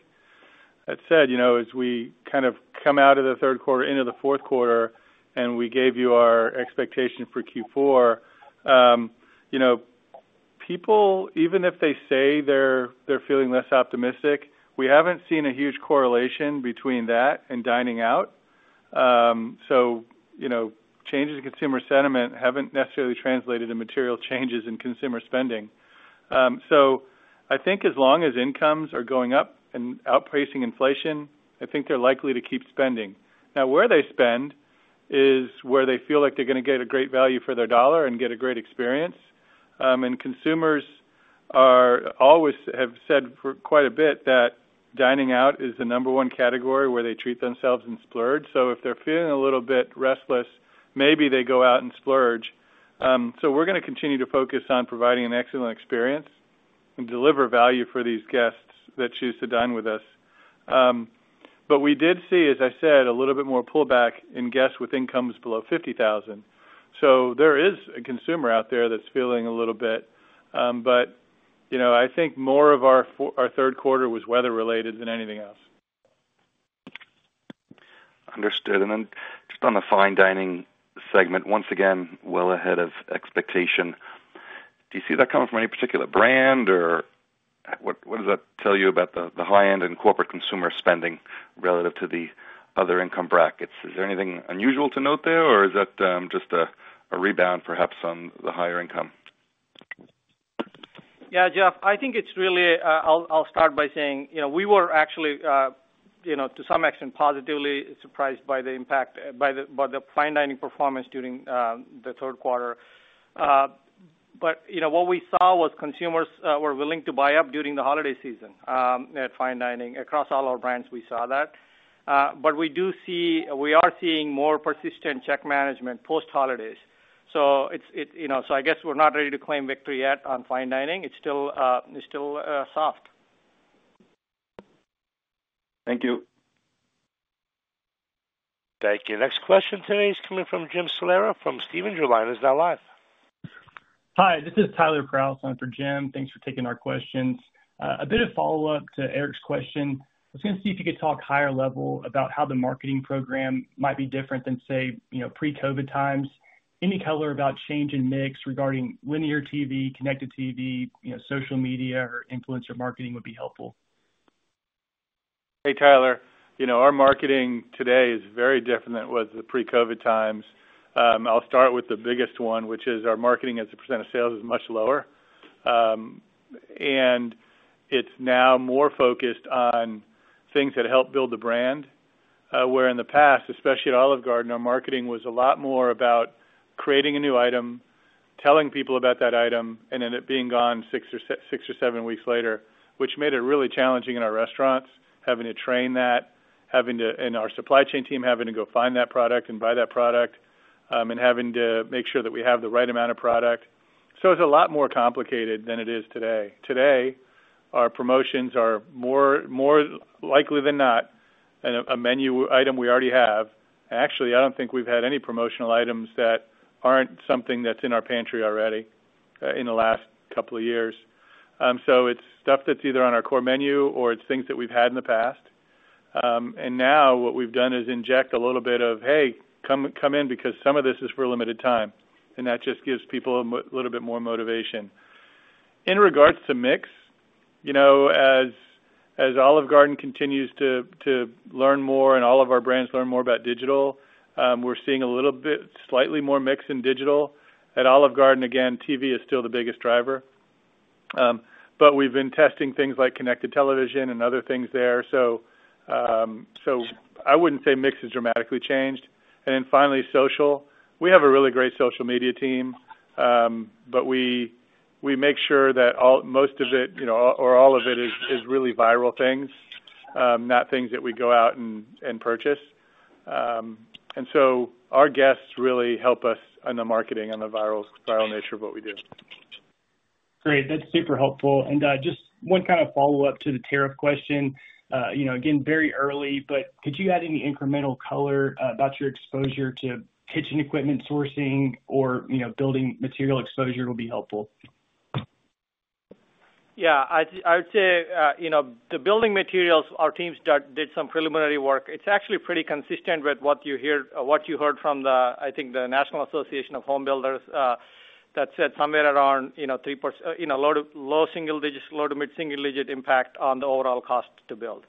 That said, as we kind of come out of the third quarter, into the fourth quarter, and we gave you our expectation for Q4, people, even if they say they're feeling less optimistic, we haven't seen a huge correlation between that and dining out. Changes in consumer sentiment haven't necessarily translated to material changes in consumer spending. I think as long as incomes are going up and outpacing inflation, I think they're likely to keep spending. Now, where they spend is where they feel like they're going to get a great value for their dollar and get a great experience. Consumers have said for quite a bit that dining out is the number one category where they treat themselves and splurge. If they're feeling a little bit restless, maybe they go out and splurge. We're going to continue to focus on providing an excellent experience and deliver value for these guests that choose to dine with us. We did see, as I said, a little bit more pullback in guests with incomes below $50,000. There is a consumer out there that's feeling a little bit. I think more of our third quarter was weather-related than anything else. Understood. Then just on the fine dining segment, once again, well ahead of expectation. Do you see that coming from any particular brand, or what does that tell you about the high-end and corporate consumer spending relative to the other income brackets? Is there anything unusual to note there, or is that just a rebound perhaps on the higher income? Yeah, Jeff, I think it's really, I'll start by saying we were actually, to some extent, positively surprised by the impact by the fine dining performance during the third quarter. What we saw was consumers were willing to buy up during the holiday season at fine dining. Across all our brands, we saw that. We are seeing more persistent check management post-holidays. I guess we're not ready to claim victory yet on fine dining. It's still soft. Thank you. Thank you. Next question today is coming from Jim Salera from Stephens. He's now live. Hi, this is Tyler Prause. I'm for Jim. Thanks for taking our questions. A bit of follow-up to Eric's question. I was going to see if you could talk higher level about how the marketing program might be different than, say, pre-COVID times. Any color about change in mix regarding linear TV, connected TV, social media, or influencer marketing would be helpful. Hey, Tyler. Our marketing today is very different than it was the pre-COVID times. I'll start with the biggest one, which is our marketing as a percent of sales is much lower. It's now more focused on things that help build the brand, where in the past, especially at Olive Garden, our marketing was a lot more about creating a new item, telling people about that item, and then it being gone six or seven weeks later, which made it really challenging in our restaurants, having to train that, and our supply chain team having to go find that product and buy that product, and having to make sure that we have the right amount of product. It's a lot more complicated than it is today. Today, our promotions are more likely than not a menu item we already have. Actually, I don't think we've had any promotional items that aren't something that's in our pantry already in the last couple of years. So it's stuff that's either on our core menu or it's things that we've had in the past. Now what we've done is inject a little bit of, "Hey, come in because some of this is for a limited time." That just gives people a little bit more motivation. In regards to mix, as Olive Garden continues to learn more and all of our brands learn more about digital, we're seeing a little bit slightly more mix in digital. At Olive Garden, again, TV is still the biggest driver. We've been testing things like connected television and other things there. I wouldn't say mix has dramatically changed. Finally, social. We have a really great social media team, but we make sure that most of it or all of it is really viral things, not things that we go out and purchase. Our guests really help us in the marketing and the viral nature of what we do. Great. That's super helpful. Just one kind of follow-up to the tariff question. Again, very early, but could you add any incremental color about your exposure to kitchen equipment sourcing or building material exposure will be helpful? Yeah. I would say the building materials, our teams did some preliminary work. It's actually pretty consistent with what you heard from the, I think, the National Association of Home Builders that said somewhere around a low single-digit, low to mid-single-digit impact on the overall cost to build.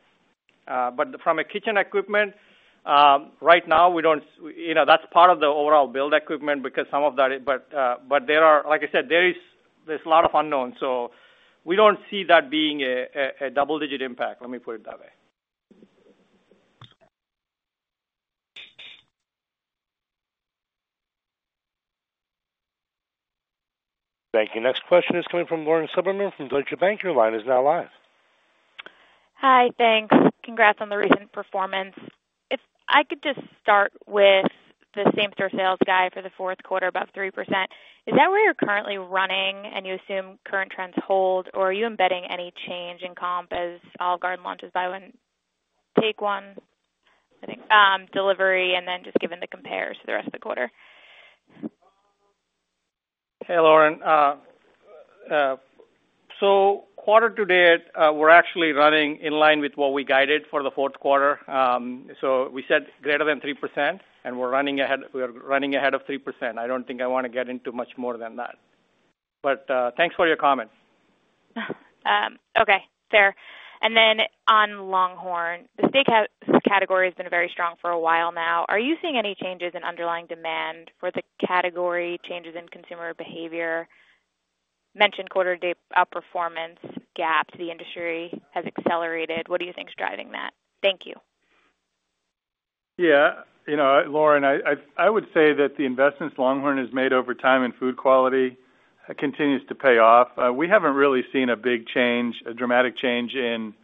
From a kitchen equipment, right now, we don't, that's part of the overall build equipment because some of that, but like I said, there's a lot of unknowns. We don't see that being a double-digit impact. Let me put it that way. Thank you. Next question is coming from Lauren Silberman from Deutsche Bank. Your line is now live. Hi, thanks. Congrats on the recent performance. If I could just start with the same-store sales guide for the fourth quarter, about 3%. Is that where you're currently running, and you assume current trends hold, or are you embedding any change in comp as Olive Garden launches buy one take one, I think, delivery, and then just given the compare to the rest of the quarter. Hey, Lauren. Quarter to date, we're actually running in line with what we guided for the fourth quarter. We said greater than 3%, and we're running ahead of 3%. I don't think I want to get into much more than that. Thanks for your comments. Okay. Fair. And then on LongHorn, the steakhouse category has been very strong for a while now. Are you seeing any changes in underlying demand for the category, changes in consumer behavior? Mentioned quarter to date outperformance, gaps, the industry has accelerated. What do you think is driving that? Thank you. Yeah. Lauren, I would say that the investments LongHorn has made over time in food quality continues to pay off. We haven't really seen a big change, a dramatic change in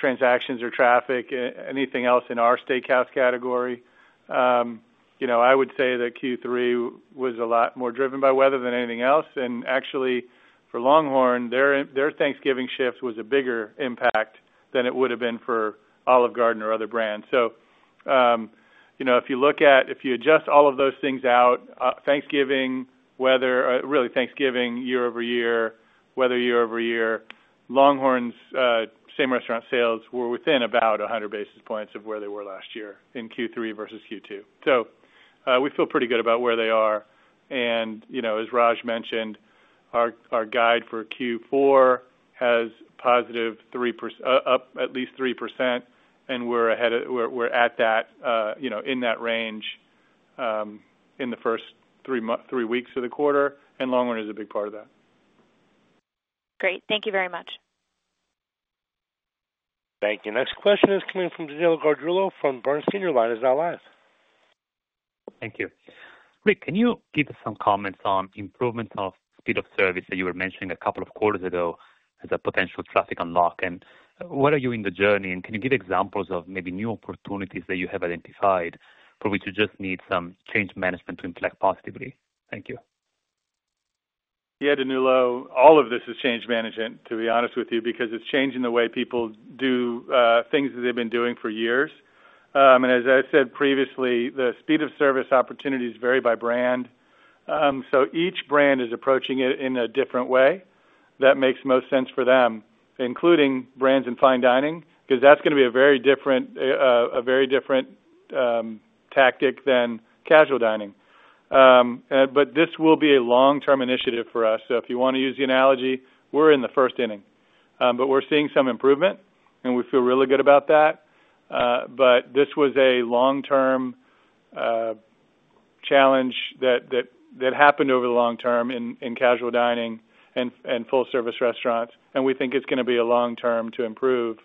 transactions or traffic, anything else in our steakhouse category. I would say that Q3 was a lot more driven by weather than anything else. Actually, for LongHorn, their Thanksgiving shift was a bigger impact than it would have been for Olive Garden or other brands. If you look at if you adjust all of those things out, Thanksgiving, weather, really Thanksgiving year-over-year, weather year-over-year, LongHorn's same restaurant sales were within about 100 basis points of where they were last year in Q3 versus Q2. We feel pretty good about where they are. As Raj mentioned, our guide for Q4 has positive up at least 3%, and we're at that in that range in the first three weeks of the quarter. LongHorn is a big part of that. Great. Thank you very much. Thank you. Next question is coming from Danilo Gargiulo from Bernstein. He's now live. Thank you. Rick, can you give us some comments on improvements of speed of service that you were mentioning a couple of quarters ago as a potential traffic unlock? Where are you in the journey, and can you give examples of maybe new opportunities that you have identified for which you just need some change management to impact positively? Thank you. Yeah, Danilo, all of this is change management, to be honest with you, because it's changing the way people do things that they've been doing for years. As I said previously, the speed of service opportunities vary by brand. Each brand is approaching it in a different way that makes most sense for them, including brands in fine dining, because that's going to be a very different tactic than casual dining. This will be a long-term initiative for us. If you want to use the analogy, we're in the first inning. We're seeing some improvement, and we feel really good about that. This was a long-term challenge that happened over the long term in casual dining and full-service restaurants. We think it is going to be a long term to improve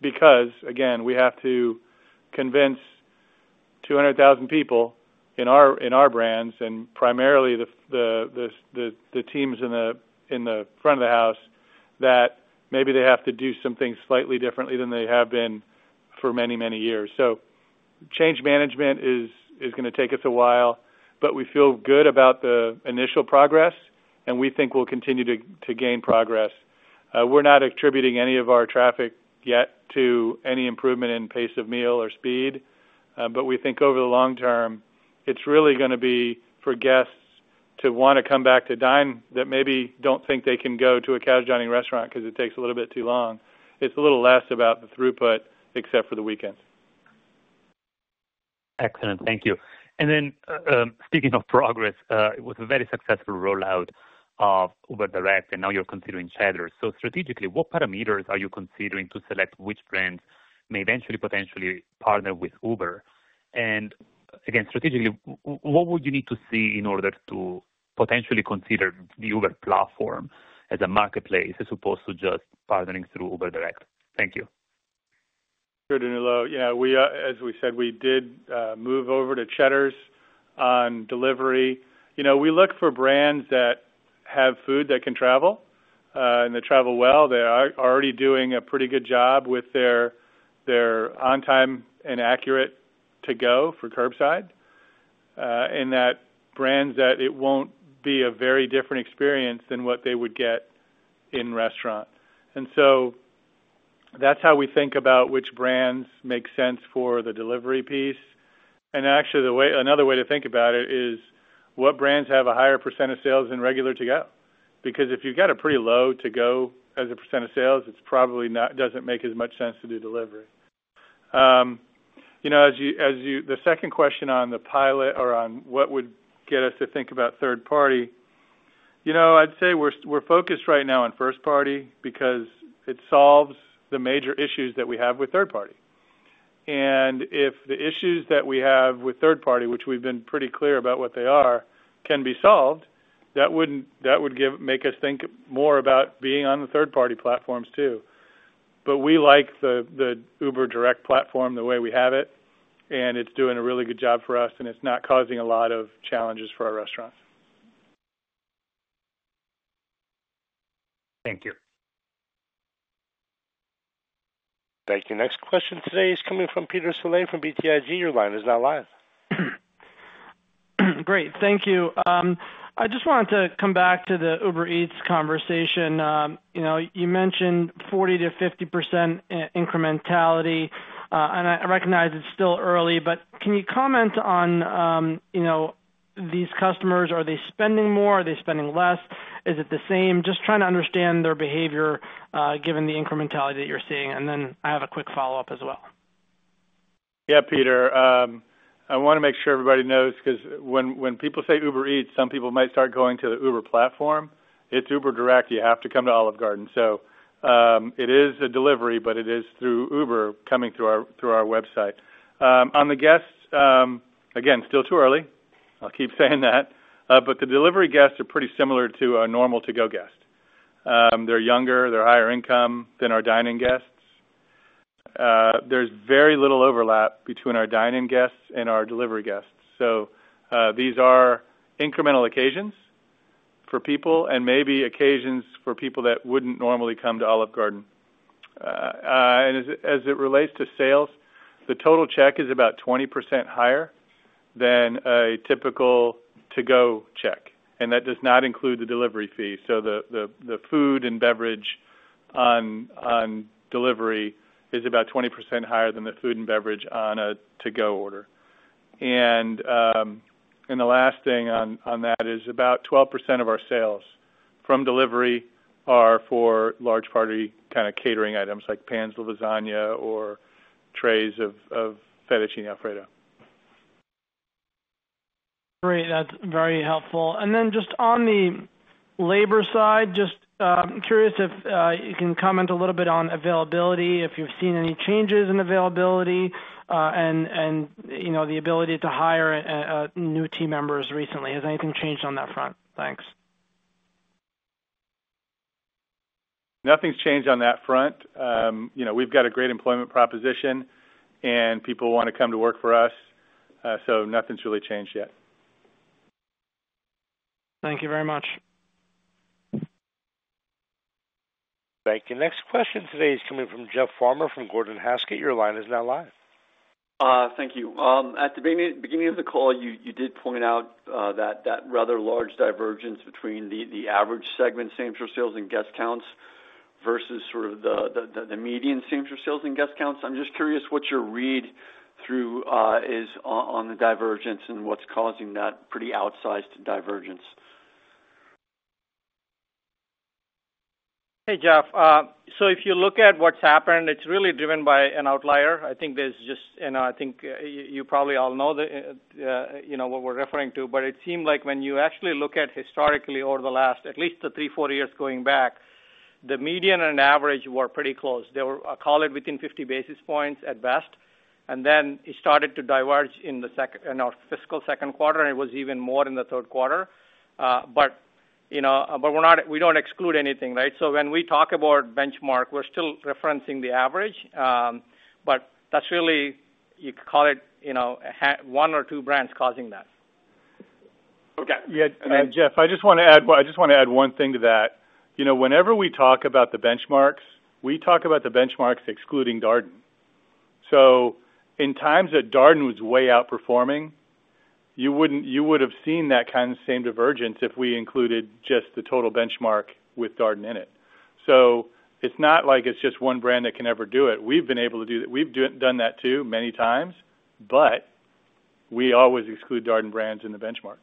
because, again, we have to convince 200,000 people in our brands and primarily the teams in the front of the house that maybe they have to do some things slightly differently than they have been for many, many years. Change management is going to take us a while, but we feel good about the initial progress, and we think we will continue to gain progress. We are not attributing any of our traffic yet to any improvement in pace of meal or speed. We think over the long term, it is really going to be for guests to want to come back to dine that maybe do not think they can go to a casual dining restaurant because it takes a little bit too long. It is a little less about the throughput except for the weekends. Excellent. Thank you. Speaking of progress, it was a very successful rollout of Uber Direct, and now you're considering Cheddar. Strategically, what parameters are you considering to select which brands may eventually potentially partner with Uber? Strategically, what would you need to see in order to potentially consider the Uber platform as a marketplace as opposed to just partnering through Uber Direct? Thank you. Sure, Danilo. As we said, we did move over to Cheddar's on delivery. We look for brands that have food that can travel, and they travel well. They are already doing a pretty good job with their on-time and accurate to-go for curbside, and that brands that it will not be a very different experience than what they would get in restaurant. That is how we think about which brands make sense for the delivery piece. Actually, another way to think about it is what brands have a higher % of sales than regular to-go. Because if you have got a pretty low to-go as a % of sales, it probably does not make as much sense to do delivery. The second question on the pilot or on what would get us to think about third-party, I'd say we're focused right now on first-party because it solves the major issues that we have with third-party. If the issues that we have with third-party, which we've been pretty clear about what they are, can be solved, that would make us think more about being on the third-party platforms too. We like the Uber Direct platform the way we have it, and it's doing a really good job for us, and it's not causing a lot of challenges for our restaurants. Thank you. Thank you. Next question today is coming from Peter Saleh from BTIG. Your line is now live. Great. Thank you. I just wanted to come back to the Uber Eats conversation. You mentioned 40%-50% incrementality, and I recognize it's still early, but can you comment on these customers? Are they spending more? Are they spending less? Is it the same? Just trying to understand their behavior given the incrementality that you're seeing. I have a quick follow-up as well. Yeah, Peter. I want to make sure everybody knows because when people say Uber Eats, some people might start going to the Uber platform. It's Uber Direct. You have to come to Olive Garden. It is a delivery, but it is through Uber coming through our website. On the guests, again, still too early. I'll keep saying that. The delivery guests are pretty similar to our normal to-go guests. They're younger. They're higher income than our dining guests. There's very little overlap between our dining guests and our delivery guests. These are incremental occasions for people and maybe occasions for people that wouldn't normally come to Olive Garden. As it relates to sales, the total check is about 20% higher than a typical to-go check. That does not include the delivery fee. The food and beverage on delivery is about 20% higher than the food and beverage on a to-go order. The last thing on that is about 12% of our sales from delivery are for large-party kind of catering items like pans of lasagna or trays of fettuccine Alfredo. Great. That's very helpful. Just on the labor side, just curious if you can comment a little bit on availability, if you've seen any changes in availability, and the ability to hire new team members recently. Has anything changed on that front? Thanks. Nothing's changed on that front. We've got a great employment proposition, and people want to come to work for us. Nothing's really changed yet. Thank you very much. Thank you. Next question today is coming from Jeff Farmer from Gordon Haskett. Your line is now live. Thank you. At the beginning of the call, you did point out that rather large divergence between the average segment same-store sales and guest counts versus sort of the median same-store sales and guest counts. I'm just curious what your read through is on the divergence and what's causing that pretty outsized divergence. Hey, Jeff. If you look at what's happened, it's really driven by an outlier. I think there's just, I think you probably all know what we're referring to, but it seemed like when you actually look at historically over the last, at least the three, four years going back, the median and average were pretty close. They were, I'll call it, within 50 basis points at best. It started to diverge in the fiscal second quarter, and it was even more in the third quarter. We don't exclude anything, right? When we talk about benchmark, we're still referencing the average, but that's really, you call it one or two brands causing that. Okay. Yeah. Jeff, I just want to add one thing to that. Whenever we talk about the benchmarks, we talk about the benchmarks excluding Darden. In times that Darden was way outperforming, you would have seen that kind of same divergence if we included just the total benchmark with Darden in it. It's not like it's just one brand that can ever do it. We've been able to do that. We've done that too many times, but we always exclude Darden brands in the benchmark.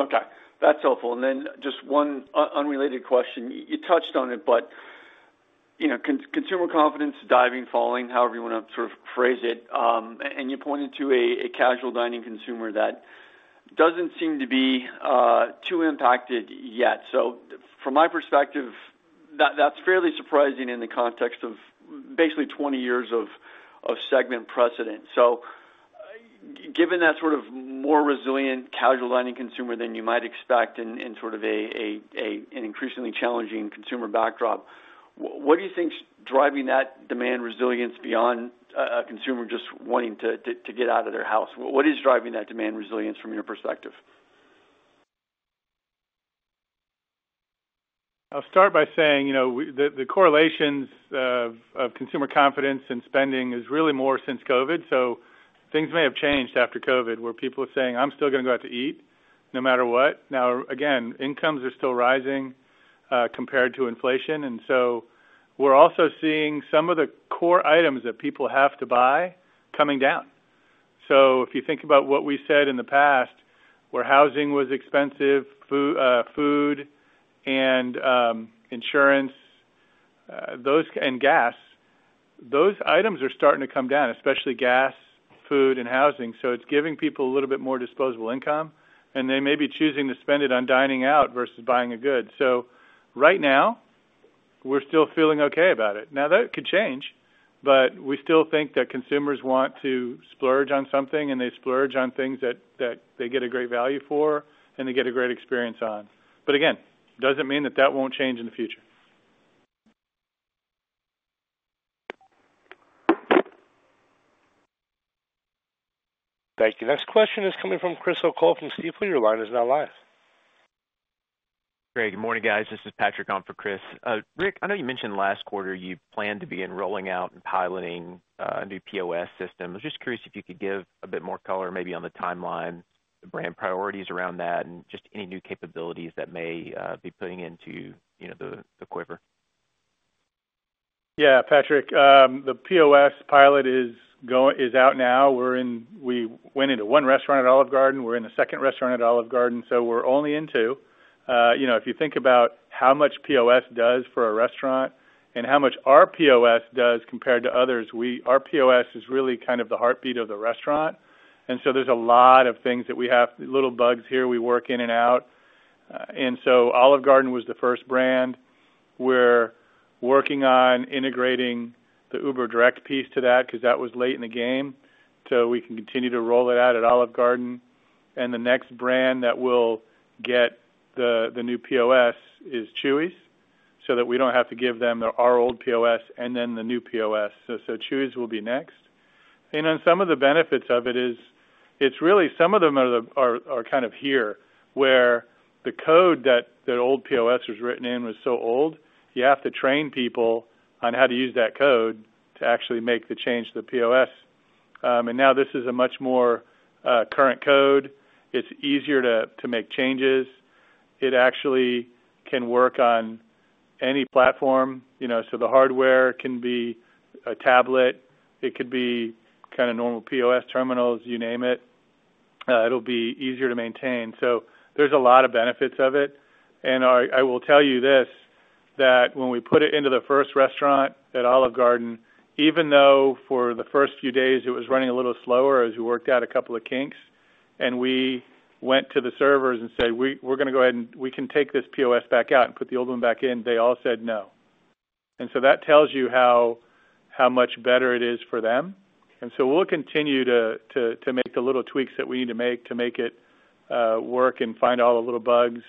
Okay. That's helpful. Then just one unrelated question. You touched on it, but consumer confidence, diving, falling, however you want to sort of phrase it. You pointed to a casual dining consumer that does not seem to be too impacted yet. From my perspective, that is fairly surprising in the context of basically 20 years of segment precedent. Given that sort of more resilient casual dining consumer than you might expect in sort of an increasingly challenging consumer backdrop, what do you think is driving that demand resilience beyond a consumer just wanting to get out of their house? What is driving that demand resilience from your perspective? I'll start by saying the correlations of consumer confidence and spending is really more since COVID. Things may have changed after COVID where people are saying, "I'm still going to go out to eat no matter what." Now, again, incomes are still rising compared to inflation. We're also seeing some of the core items that people have to buy coming down. If you think about what we said in the past, where housing was expensive, food, and insurance, and gas, those items are starting to come down, especially gas, food, and housing. It's giving people a little bit more disposable income, and they may be choosing to spend it on dining out versus buying a good. Right now, we're still feeling okay about it. Now, that could change, but we still think that consumers want to splurge on something, and they splurge on things that they get a great value for and they get a great experience on. Again, it does not mean that that will not change in the future. Thank you. Next question is coming from Chris O'Cull from Stifel. Your line is now live. Great. Good morning, guys. This is Patrick. I'm for Chris. Rick, I know you mentioned last quarter you planned to begin rolling out and piloting a new POS system. I was just curious if you could give a bit more color maybe on the timeline, the brand priorities around that, and just any new capabilities that may be putting into the quiver. Yeah, Patrick. The POS pilot is out now. We went into one restaurant at Olive Garden. We're in the second restaurant at Olive Garden. We're only in two. If you think about how much POS does for a restaurant and how much our POS does compared to others, our POS is really kind of the heartbeat of the restaurant. There are a lot of things that we have, little bugs here we work in and out. Olive Garden was the first brand. We're working on integrating the Uber Direct piece to that because that was late in the game. We can continue to roll it out at Olive Garden. The next brand that will get the new POS is Chuy's so that we don't have to give them our old POS and then the new POS. Chuy's will be next. Some of the benefits of it is it's really some of them are kind of here where the code that the old POS was written in was so old, you have to train people on how to use that code to actually make the change to the POS. Now this is a much more current code. It's easier to make changes. It actually can work on any platform. The hardware can be a tablet. It could be kind of normal POS terminals, you name it. It'll be easier to maintain. There are a lot of benefits of it. I will tell you this that when we put it into the first restaurant at Olive Garden, even though for the first few days it was running a little slower as we worked out a couple of kinks, and we went to the servers and said, "We're going to go ahead and we can take this POS back out and put the old one back in," they all said no. That tells you how much better it is for them. We will continue to make the little tweaks that we need to make to make it work and find all the little bugs.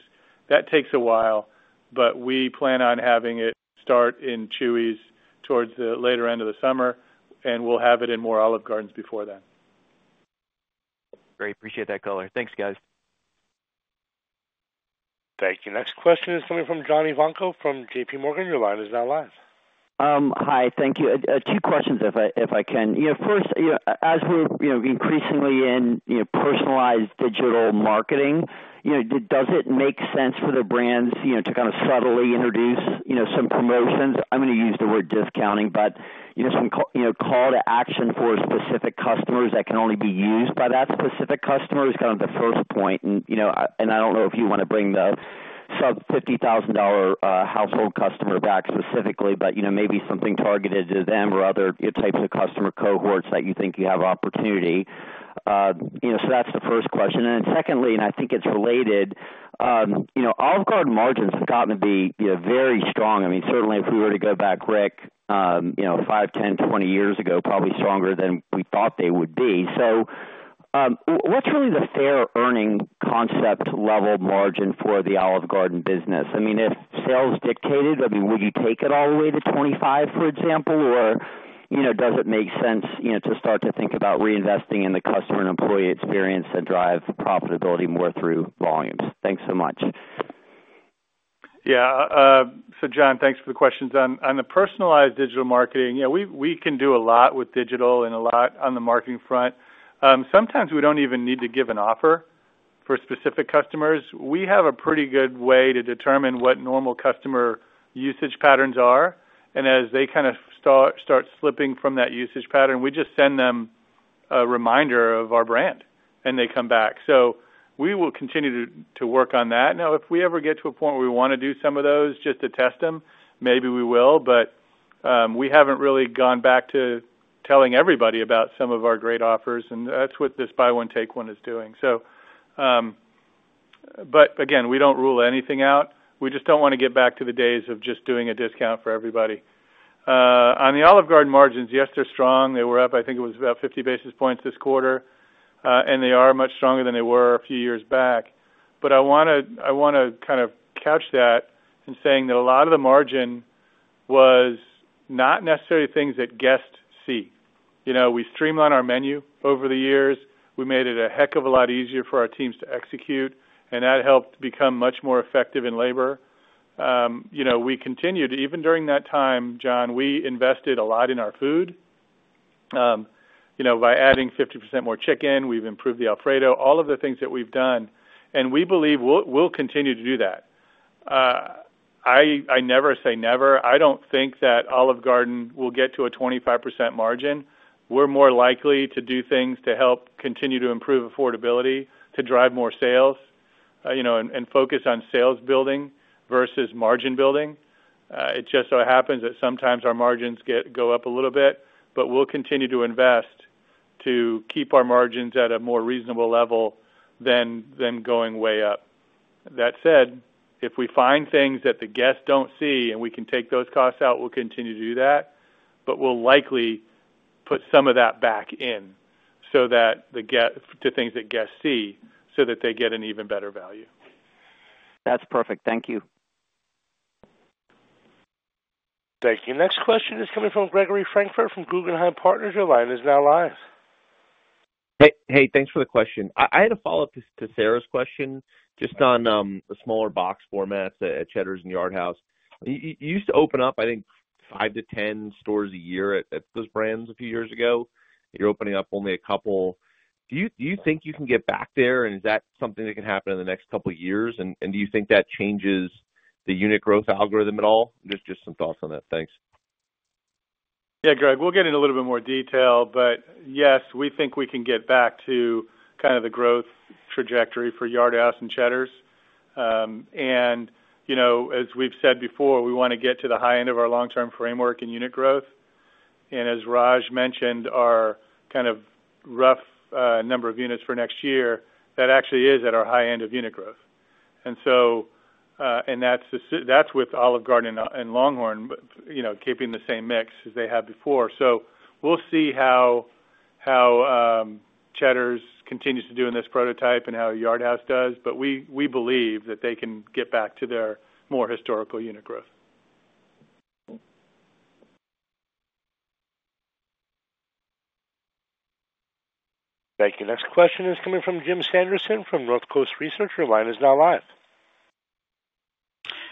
That takes a while, but we plan on having it start in Chuy's towards the later end of the summer, and we will have it in more Olive Gardens before then. Great. Appreciate that, color. Thanks, guys. Thank you. Next question is coming from John Ivankoe from JPMorgan. Your line is now live. Hi. Thank you. Two questions, if I can. First, as we're increasingly in personalized digital marketing, does it make sense for the brands to kind of subtly introduce some promotions? I'm going to use the word discounting, but some call to action for specific customers that can only be used by that specific customer is kind of the first point. I don't know if you want to bring the sub-$50,000 household customer back specifically, but maybe something targeted to them or other types of customer cohorts that you think you have opportunity. That is the first question. Secondly, and I think it's related, Olive Garden margins have gotten to be very strong. I mean, certainly if we were to go back, Rick, five, 10, 20 years ago, probably stronger than we thought they would be. What's really the fair earning concept level margin for the Olive Garden business? I mean, if sales dictated, I mean, would you take it all the way to 25, for example, or does it make sense to start to think about reinvesting in the customer and employee experience that drive profitability more through volumes? Thanks so much. Yeah. John, thanks for the questions. On the personalized digital marketing, yeah, we can do a lot with digital and a lot on the marketing front. Sometimes we do not even need to give an offer for specific customers. We have a pretty good way to determine what normal customer usage patterns are. As they kind of start slipping from that usage pattern, we just send them a reminder of our brand, and they come back. We will continue to work on that. If we ever get to a point where we want to do some of those just to test them, maybe we will, but we have not really gone back to telling everybody about some of our great offers. That is what this buy one take one is doing. We do not rule anything out. We just do not want to get back to the days of just doing a discount for everybody. On the Olive Garden margins, yes, they are strong. They were up, I think it was about 50 basis points this quarter, and they are much stronger than they were a few years back. I want to kind of couch that in saying that a lot of the margin was not necessarily things that guests see. We streamlined our menu over the years. We made it a heck of a lot easier for our teams to execute, and that helped become much more effective in labor. We continued, even during that time, John, we invested a lot in our food by adding 50% more chicken. We have improved the Alfredo, all of the things that we have done. We believe we will continue to do that. I never say never. I don't think that Olive Garden will get to a 25% margin. We're more likely to do things to help continue to improve affordability, to drive more sales, and focus on sales building versus margin building. It just so happens that sometimes our margins go up a little bit, but we'll continue to invest to keep our margins at a more reasonable level than going way up. That said, if we find things that the guests don't see and we can take those costs out, we'll continue to do that, but we'll likely put some of that back in to things that guests see so that they get an even better value. That's perfect. Thank you. Thank you. Next question is coming from Gregory Francfort from Guggenheim Partners. Your line is now live. Hey, thanks for the question. I had a follow-up to Sara's question just on the smaller box formats at Cheddar's and Yard House. You used to open up, I think, 5-10 stores a year at those brands a few years ago. You're opening up only a couple. Do you think you can get back there, and is that something that can happen in the next couple of years? Do you think that changes the unit growth algorithm at all? Just some thoughts on that. Thanks. Yeah, Greg, we'll get into a little bit more detail, but yes, we think we can get back to kind of the growth trajectory for Yard House and Cheddar's. As we've said before, we want to get to the high end of our long-term framework in unit growth. As Raj mentioned, our kind of rough number of units for next year, that actually is at our high end of unit growth. That's with Olive Garden and LongHorn keeping the same mix as they had before. We'll see how Cheddar's continues to do in this prototype and how Yard House does, but we believe that they can get back to their more historical unit growth. Thank you. Next question is coming from Jim Sanderson from Northcoast Research. Your line is now live.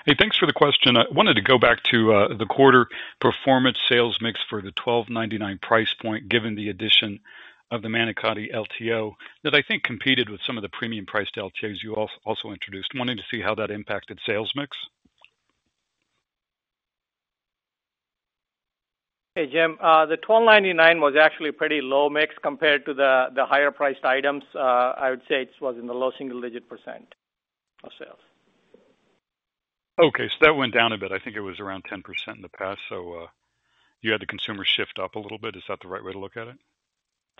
Hey, thanks for the question. I wanted to go back to the quarter performance sales mix for the $12.99 price point given the addition of the Manicotti LTO that I think competed with some of the premium-priced LTOs you also introduced. Wanting to see how that impacted sales mix. Hey, Jim. The $12.99 was actually a pretty low mix compared to the higher-priced items. I would say it was in the low single-digit % of sales. Okay. That went down a bit. I think it was around 10% in the past. You had the consumer shift up a little bit. Is that the right way to look at it?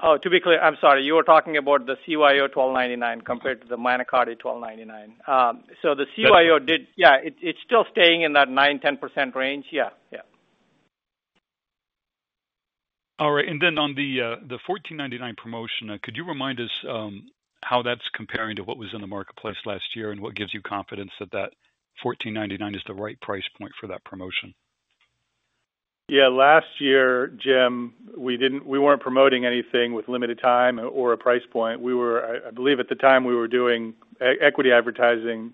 Oh, to be clear, I'm sorry. You were talking about the CYO $12.99 compared to the Manicotti $12.99. The CYO did, yeah, it's still staying in that 9%-10% range. Yeah, yeah. All right. On the $14.99 promotion, could you remind us how that's comparing to what was in the marketplace last year and what gives you confidence that that $14.99 is the right price point for that promotion? Yeah. Last year, Jim, we were not promoting anything with limited time or a price point. I believe at the time we were doing equity advertising,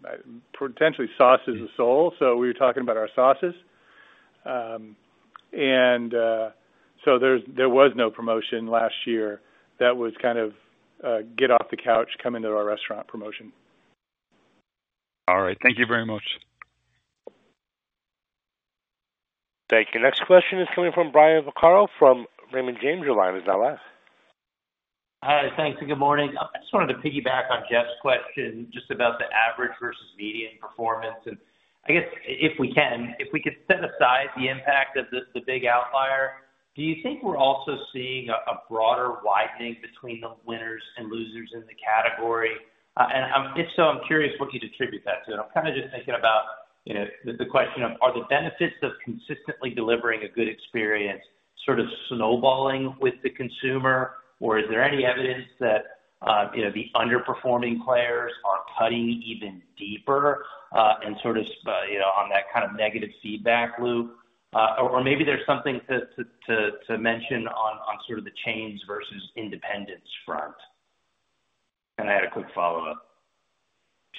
potentially sauces of soul. We were talking about our sauces. There was no promotion last year that was kind of get off the couch, come into our restaurant promotion. All right. Thank you very much. Thank you. Next question is coming from Brian Vaccaro from Raymond James. Your line is now live. Hi, thanks. Good morning. I just wanted to piggyback on Jeff's question just about the average versus median performance. I guess if we can, if we could set aside the impact of the big outlier, do you think we're also seeing a broader widening between the winners and losers in the category? If so, I'm curious what you'd attribute that to. I'm kind of just thinking about the question of, are the benefits of consistently delivering a good experience sort of snowballing with the consumer, or is there any evidence that the underperforming players are cutting even deeper and sort of on that kind of negative feedback loop? Maybe there's something to mention on sort of the chains versus independence front. I had a quick follow-up.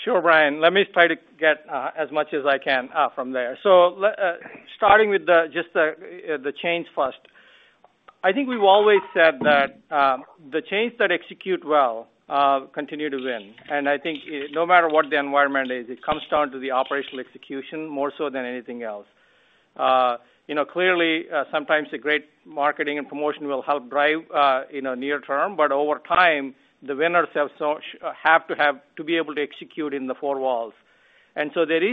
Sure, Brian. Let me try to get as much as I can from there. Starting with just the chains first, I think we've always said that the chains that execute well continue to win. I think no matter what the environment is, it comes down to the operational execution more so than anything else. Clearly, sometimes a great marketing and promotion will help drive in a near term, but over time, the winners have to be able to execute in the four walls. There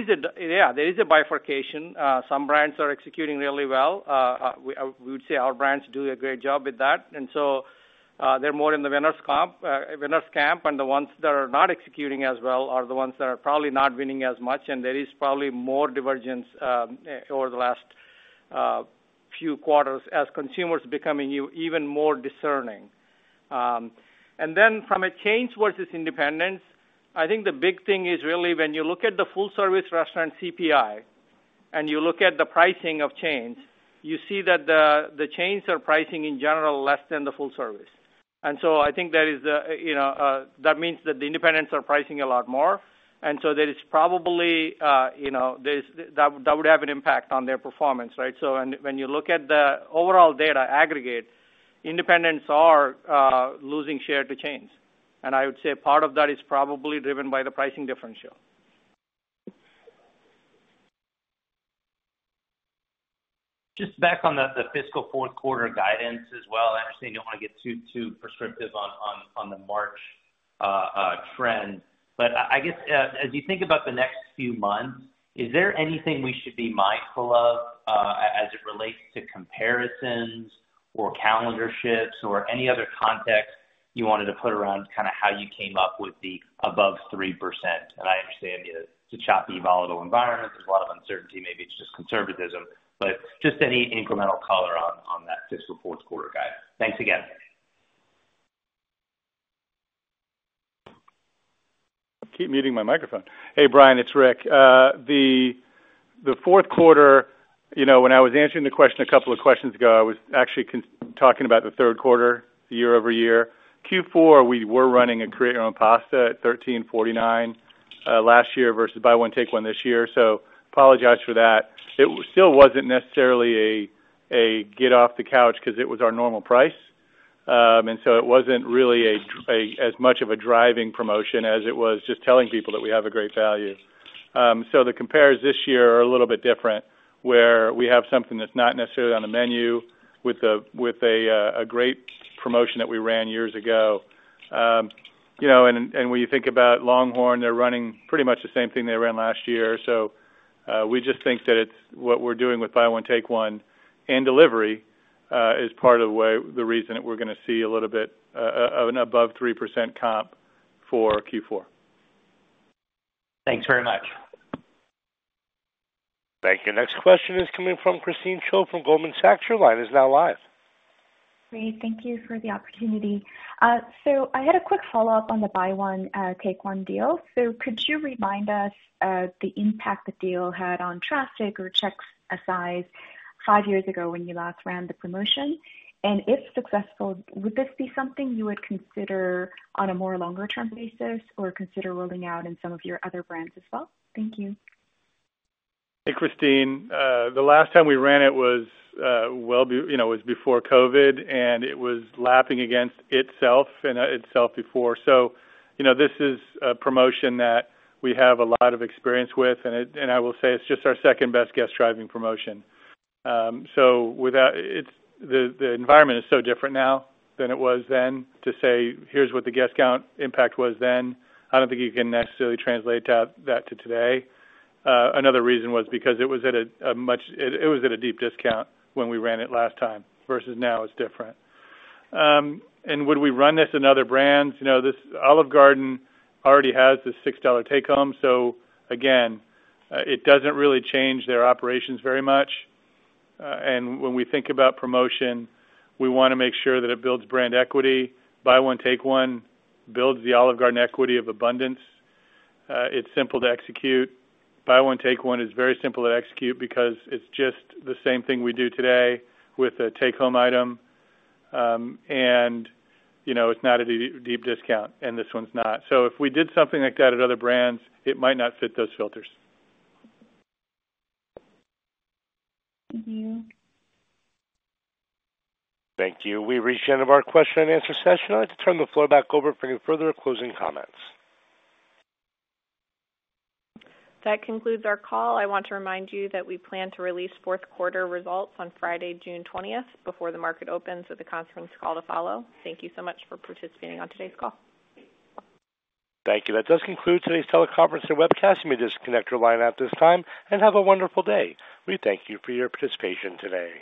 is a, yeah, there is a bifurcation. Some brands are executing really well. We would say our brands do a great job with that. They are more in the winner's camp, and the ones that are not executing as well are the ones that are probably not winning as much. There is probably more divergence over the last few quarters as consumers becoming even more discerning. From a chains versus independents perspective, I think the big thing is really when you look at the full-service restaurant CPI and you look at the pricing of chains, you see that the chains are pricing in general less than the full-service. I think that means that the independents are pricing a lot more. There is probably that would have an impact on their performance, right? When you look at the overall data aggregate, independents are losing share to chains. I would say part of that is probably driven by the pricing differential. Just back on the fiscal fourth quarter guidance as well. I understand you don't want to get too prescriptive on the March trend. I guess as you think about the next few months, is there anything we should be mindful of as it relates to comparisons or calendar shifts or any other context you wanted to put around kind of how you came up with the above 3%? I understand it's a choppy, volatile environment. There's a lot of uncertainty. Maybe it's just conservatism, but just any incremental color on that fiscal fourth quarter guide. Thanks again. Keep muting my microphone. Hey, Brian, it's Rick. The fourth quarter, when I was answering the question a couple of questions ago, I was actually talking about the third quarter, year-over-year. Q4, we were running a create-your-own-pasta at $13.49 last year versus buy one, take one this year. Apologize for that. It still wasn't necessarily a get off the couch because it was our normal price. It wasn't really as much of a driving promotion as it was just telling people that we have a great value. The comparisons this year are a little bit different where we have something that's not necessarily on the menu with a great promotion that we ran years ago. When you think about LongHorn, they're running pretty much the same thing they ran last year. We just think that it's what we're doing with buy one take one and delivery is part of the reason that we're going to see a little bit of an above 3% comp for Q4. Thanks very much. Thank you. Next question is coming from Christine Cho from Goldman Sachs. Your line is now live. Great. Thank you for the opportunity. I had a quick follow-up on the buy one take one deal. Could you remind us of the impact the deal had on traffic or checks five years ago when you last ran the promotion? If successful, would this be something you would consider on a more longer-term basis or consider rolling out in some of your other brands as well? Thank you. Hey, Christine. The last time we ran it was before COVID, and it was lapping against itself and itself before. This is a promotion that we have a lot of experience with, and I will say it's just our second best guest driving promotion. The environment is so different now than it was then. To say, "Here's what the guest count impact was then," I don't think you can necessarily translate that to today. Another reason was because it was at a much, it was at a deep discount when we ran it last time versus now it's different. Would we run this in other brands? Olive Garden already has the $6 take home. It doesn't really change their operations very much. When we think about promotion, we want to make sure that it builds brand equity. Buy one, take one builds the Olive Garden equity of abundance. It's simple to execute. Buy one, take one is very simple to execute because it's just the same thing we do today with a take home item. It's not a deep discount, and this one's not. If we did something like that at other brands, it might not fit those filters. Thank you. Thank you. We reached the end of our question and answer session. I'd like to turn the floor back over for any further closing comments. That concludes our call. I want to remind you that we plan to release fourth quarter results on Friday, June 20th, before the market opens with a conference call to follow. Thank you so much for participating on today's call. Thank you. That does conclude today's teleconference and webcast. You may disconnect your line at this time and have a wonderful day. We thank you for your participation today.